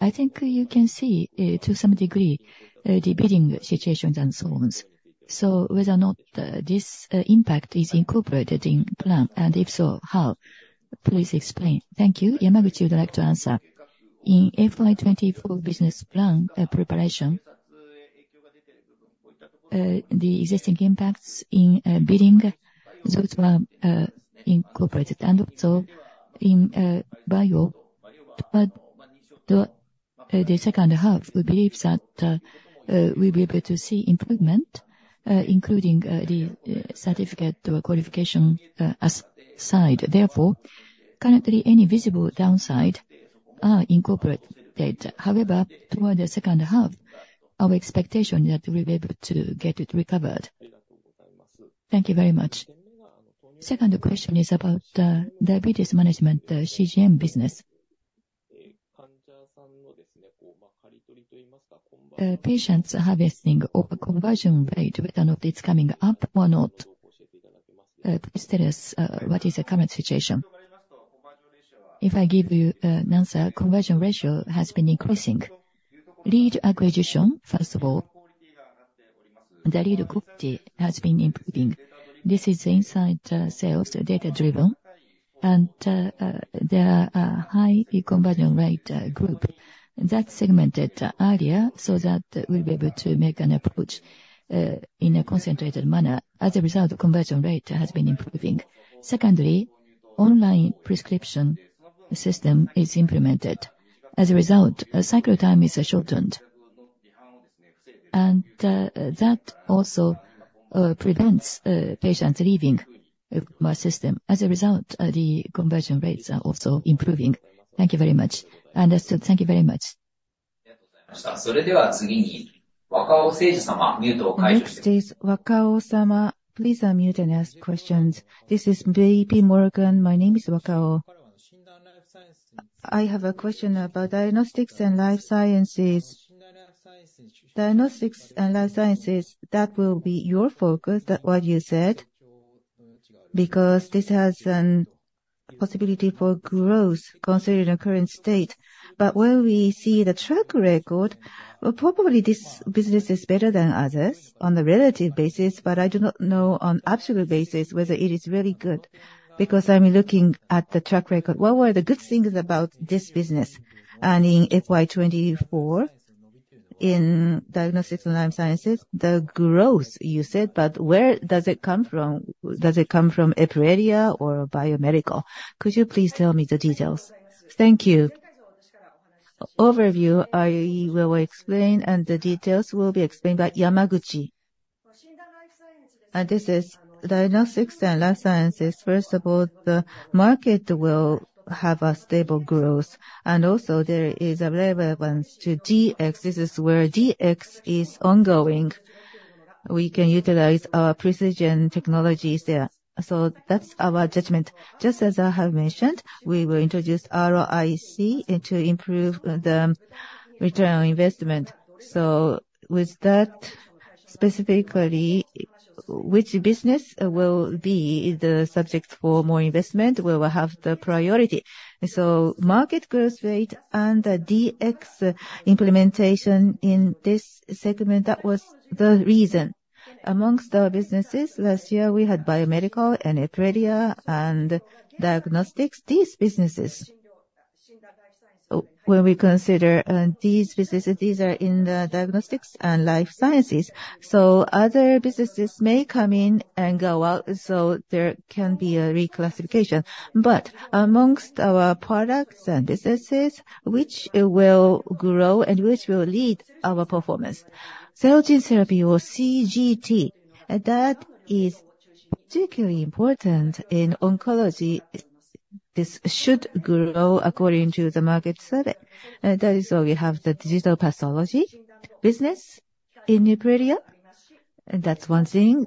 I think you can see, to some degree, the bidding situations and so on. So whether or not, this, impact is incorporated in plan, and if so, how? Please explain. Thank you. Yamaguchi would like to answer. In FY 2024 business plan preparation, the existing impacts in bidding, those were incorporated, and also in bio. But the second half, we believe that we'll be able to see improvement, including the certificate or qualification as side. Therefore, currently, any visible downside are incorporated. However, toward the second half, our expectation is that we'll be able to get it recovered. Thank you very much. Second question is about diabetes management, CGM business. Patients harvesting or conversion rate, whether or not it's coming up or not, please tell us what is the current situation? If I give you an answer, conversion ratio has been increasing. Lead acquisition, first of all, the lead quality has been improving. This is inside sales, data-driven, and there are a high conversion rate group that segmented area, so that we'll be able to make an approach in a concentrated manner. As a result, the conversion rate has been improving. Secondly, online prescription system is implemented. As a result, a cycle time is shortened. That also prevents patients leaving our system. As a result, the conversion rates are also improving. Thank you very much. Understood. Thank you very much. Next is Seiji Wakao. Please unmute and ask questions. This is JPMorgan. My name is Wakao. I have a question about diagnostics and life sciences. Diagnostics and life sciences, that will be your focus, that what you said, because this has a possibility for growth considering the current state. But when we see the track record, well, probably this business is better than others on the relative basis, but I do not know on absolute basis whether it is really good, because I'm looking at the track record. What were the good things about this business? And in FY 2024, in diagnostics and life sciences, the growth, you said, but where does it come from? Does it come from Epredia or biomedical? Could you please tell me the details? Thank you. Overview, I will explain, and the details will be explained by Yamaguchi. This is diagnostics and life sciences. First of all, the market will have a stable growth, and also there is relevance to DX. This is where DX is ongoing. We can utilize our precision technologies there. So that's our judgment. Just as I have mentioned, we will introduce ROIC and to improve the return on investment. So with that, specifically, which business will be the subject for more investment, where we have the priority? So market growth rate and the DX implementation in this segment, that was the reason. Amongst our businesses, last year, we had biomedical and Epredia and diagnostics, these businesses. When we consider these businesses, these are in the diagnostics and life sciences. So other businesses may come in and go out, so there can be a reclassification. But amongst our products and businesses, which will grow and which will lead our performance? Cell gene therapy or CGT, that is particularly important in oncology. This should grow according to the market survey. That is all. We have the digital pathology business in Epredia, and that's one thing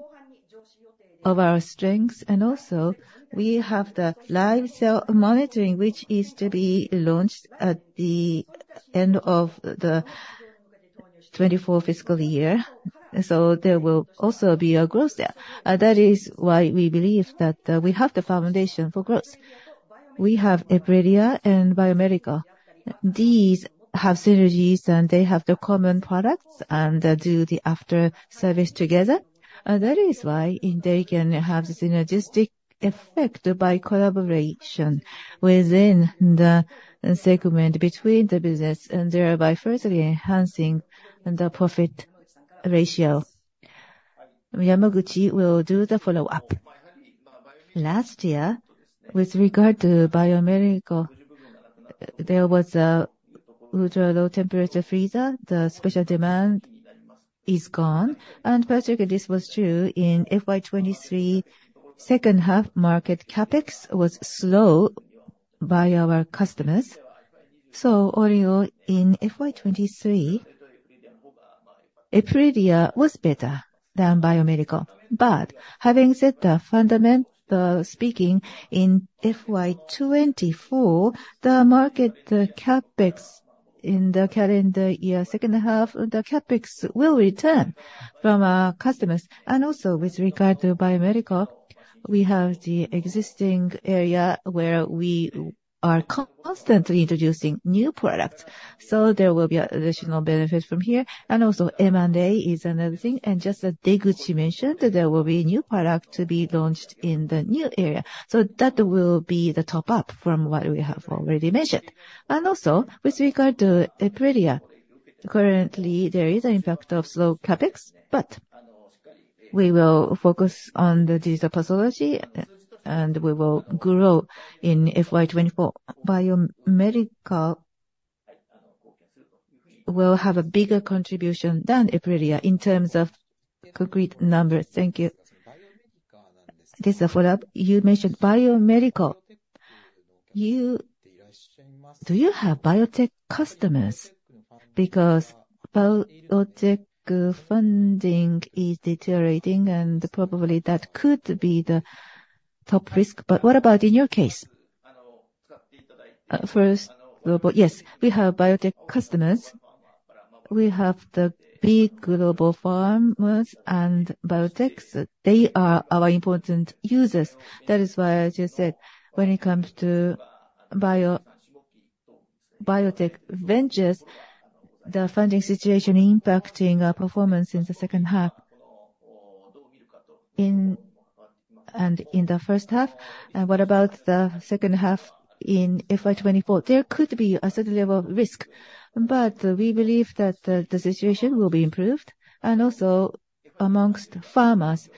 of our strengths. And also, we have the live cell monitoring, which is to be launched at the end of the 2024 fiscal year. So there will also be a growth there. That is why we believe that we have the foundation for growth. We have Epredia and biomedical. These have synergies, and they have the common products, and they do the after service together. And that is why they can have synergistic effect by collaboration within the segment between the business, and thereby further enhancing the profit ratio. Yamaguchi will do the follow-up. Last year, with regard to biomedical, there was an ultra-low temperature freezer. The special demand is gone, and particularly, this was true in FY 2023 second half. Market CapEx was slow by our customers. So overall in FY 2023, Epredia was better than biomedical. But having said that, fundamentally speaking, in FY 2024, the market, the CapEx in the calendar year second half, the CapEx will return from our customers. And also, with regard to biomedical, we have the existing area where we are constantly introducing new products, so there will be additional benefits from here. And also, M&A is another thing, and just as Deguchi mentioned, there will be new product to be launched in the new area. So that will be the top-up from what we have already mentioned. And also, with regard to Epredia, currently there is an impact of slow CapEx, but we will focus on the digital pathology and we will grow in FY 2024. Biomedical will have a bigger contribution than Epredia in terms of concrete numbers. Thank you. This is a follow-up. You mentioned Biomedical. You do you have biotech customers? Because biotech funding is deteriorating, and probably that could be the top risk. But what about in your case? First, global. Yes, we have biotech customers. We have the big global pharmas and biotechs. They are our important users. That is why I just said when it comes to biotech ventures, the funding situation impacting our performance in the second half. In, and in the first half, what about the second half in FY 2024? There could be a certain level of risk, but we believe that the situation will be improved. And also, amongst pharmas,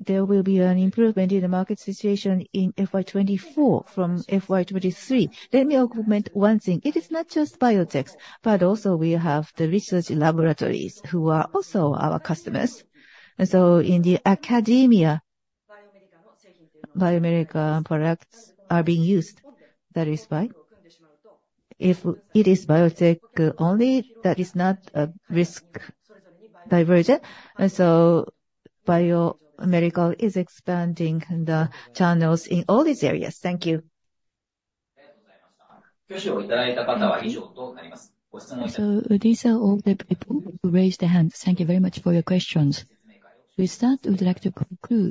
there will be an improvement in the market situation in FY 2024 from FY 2023. Let me augment one thing: It is not just biotechs, but also we have the research laboratories, who are also our customers. And so in academia, biomedical products are being used. That is why if it is biotech only, that is not a risk diversification. And so biomedical is expanding the channels in all these areas. Thank you. So these are all the people who raised their hands. Thank you very much for your questions. With that, I would like to conclude.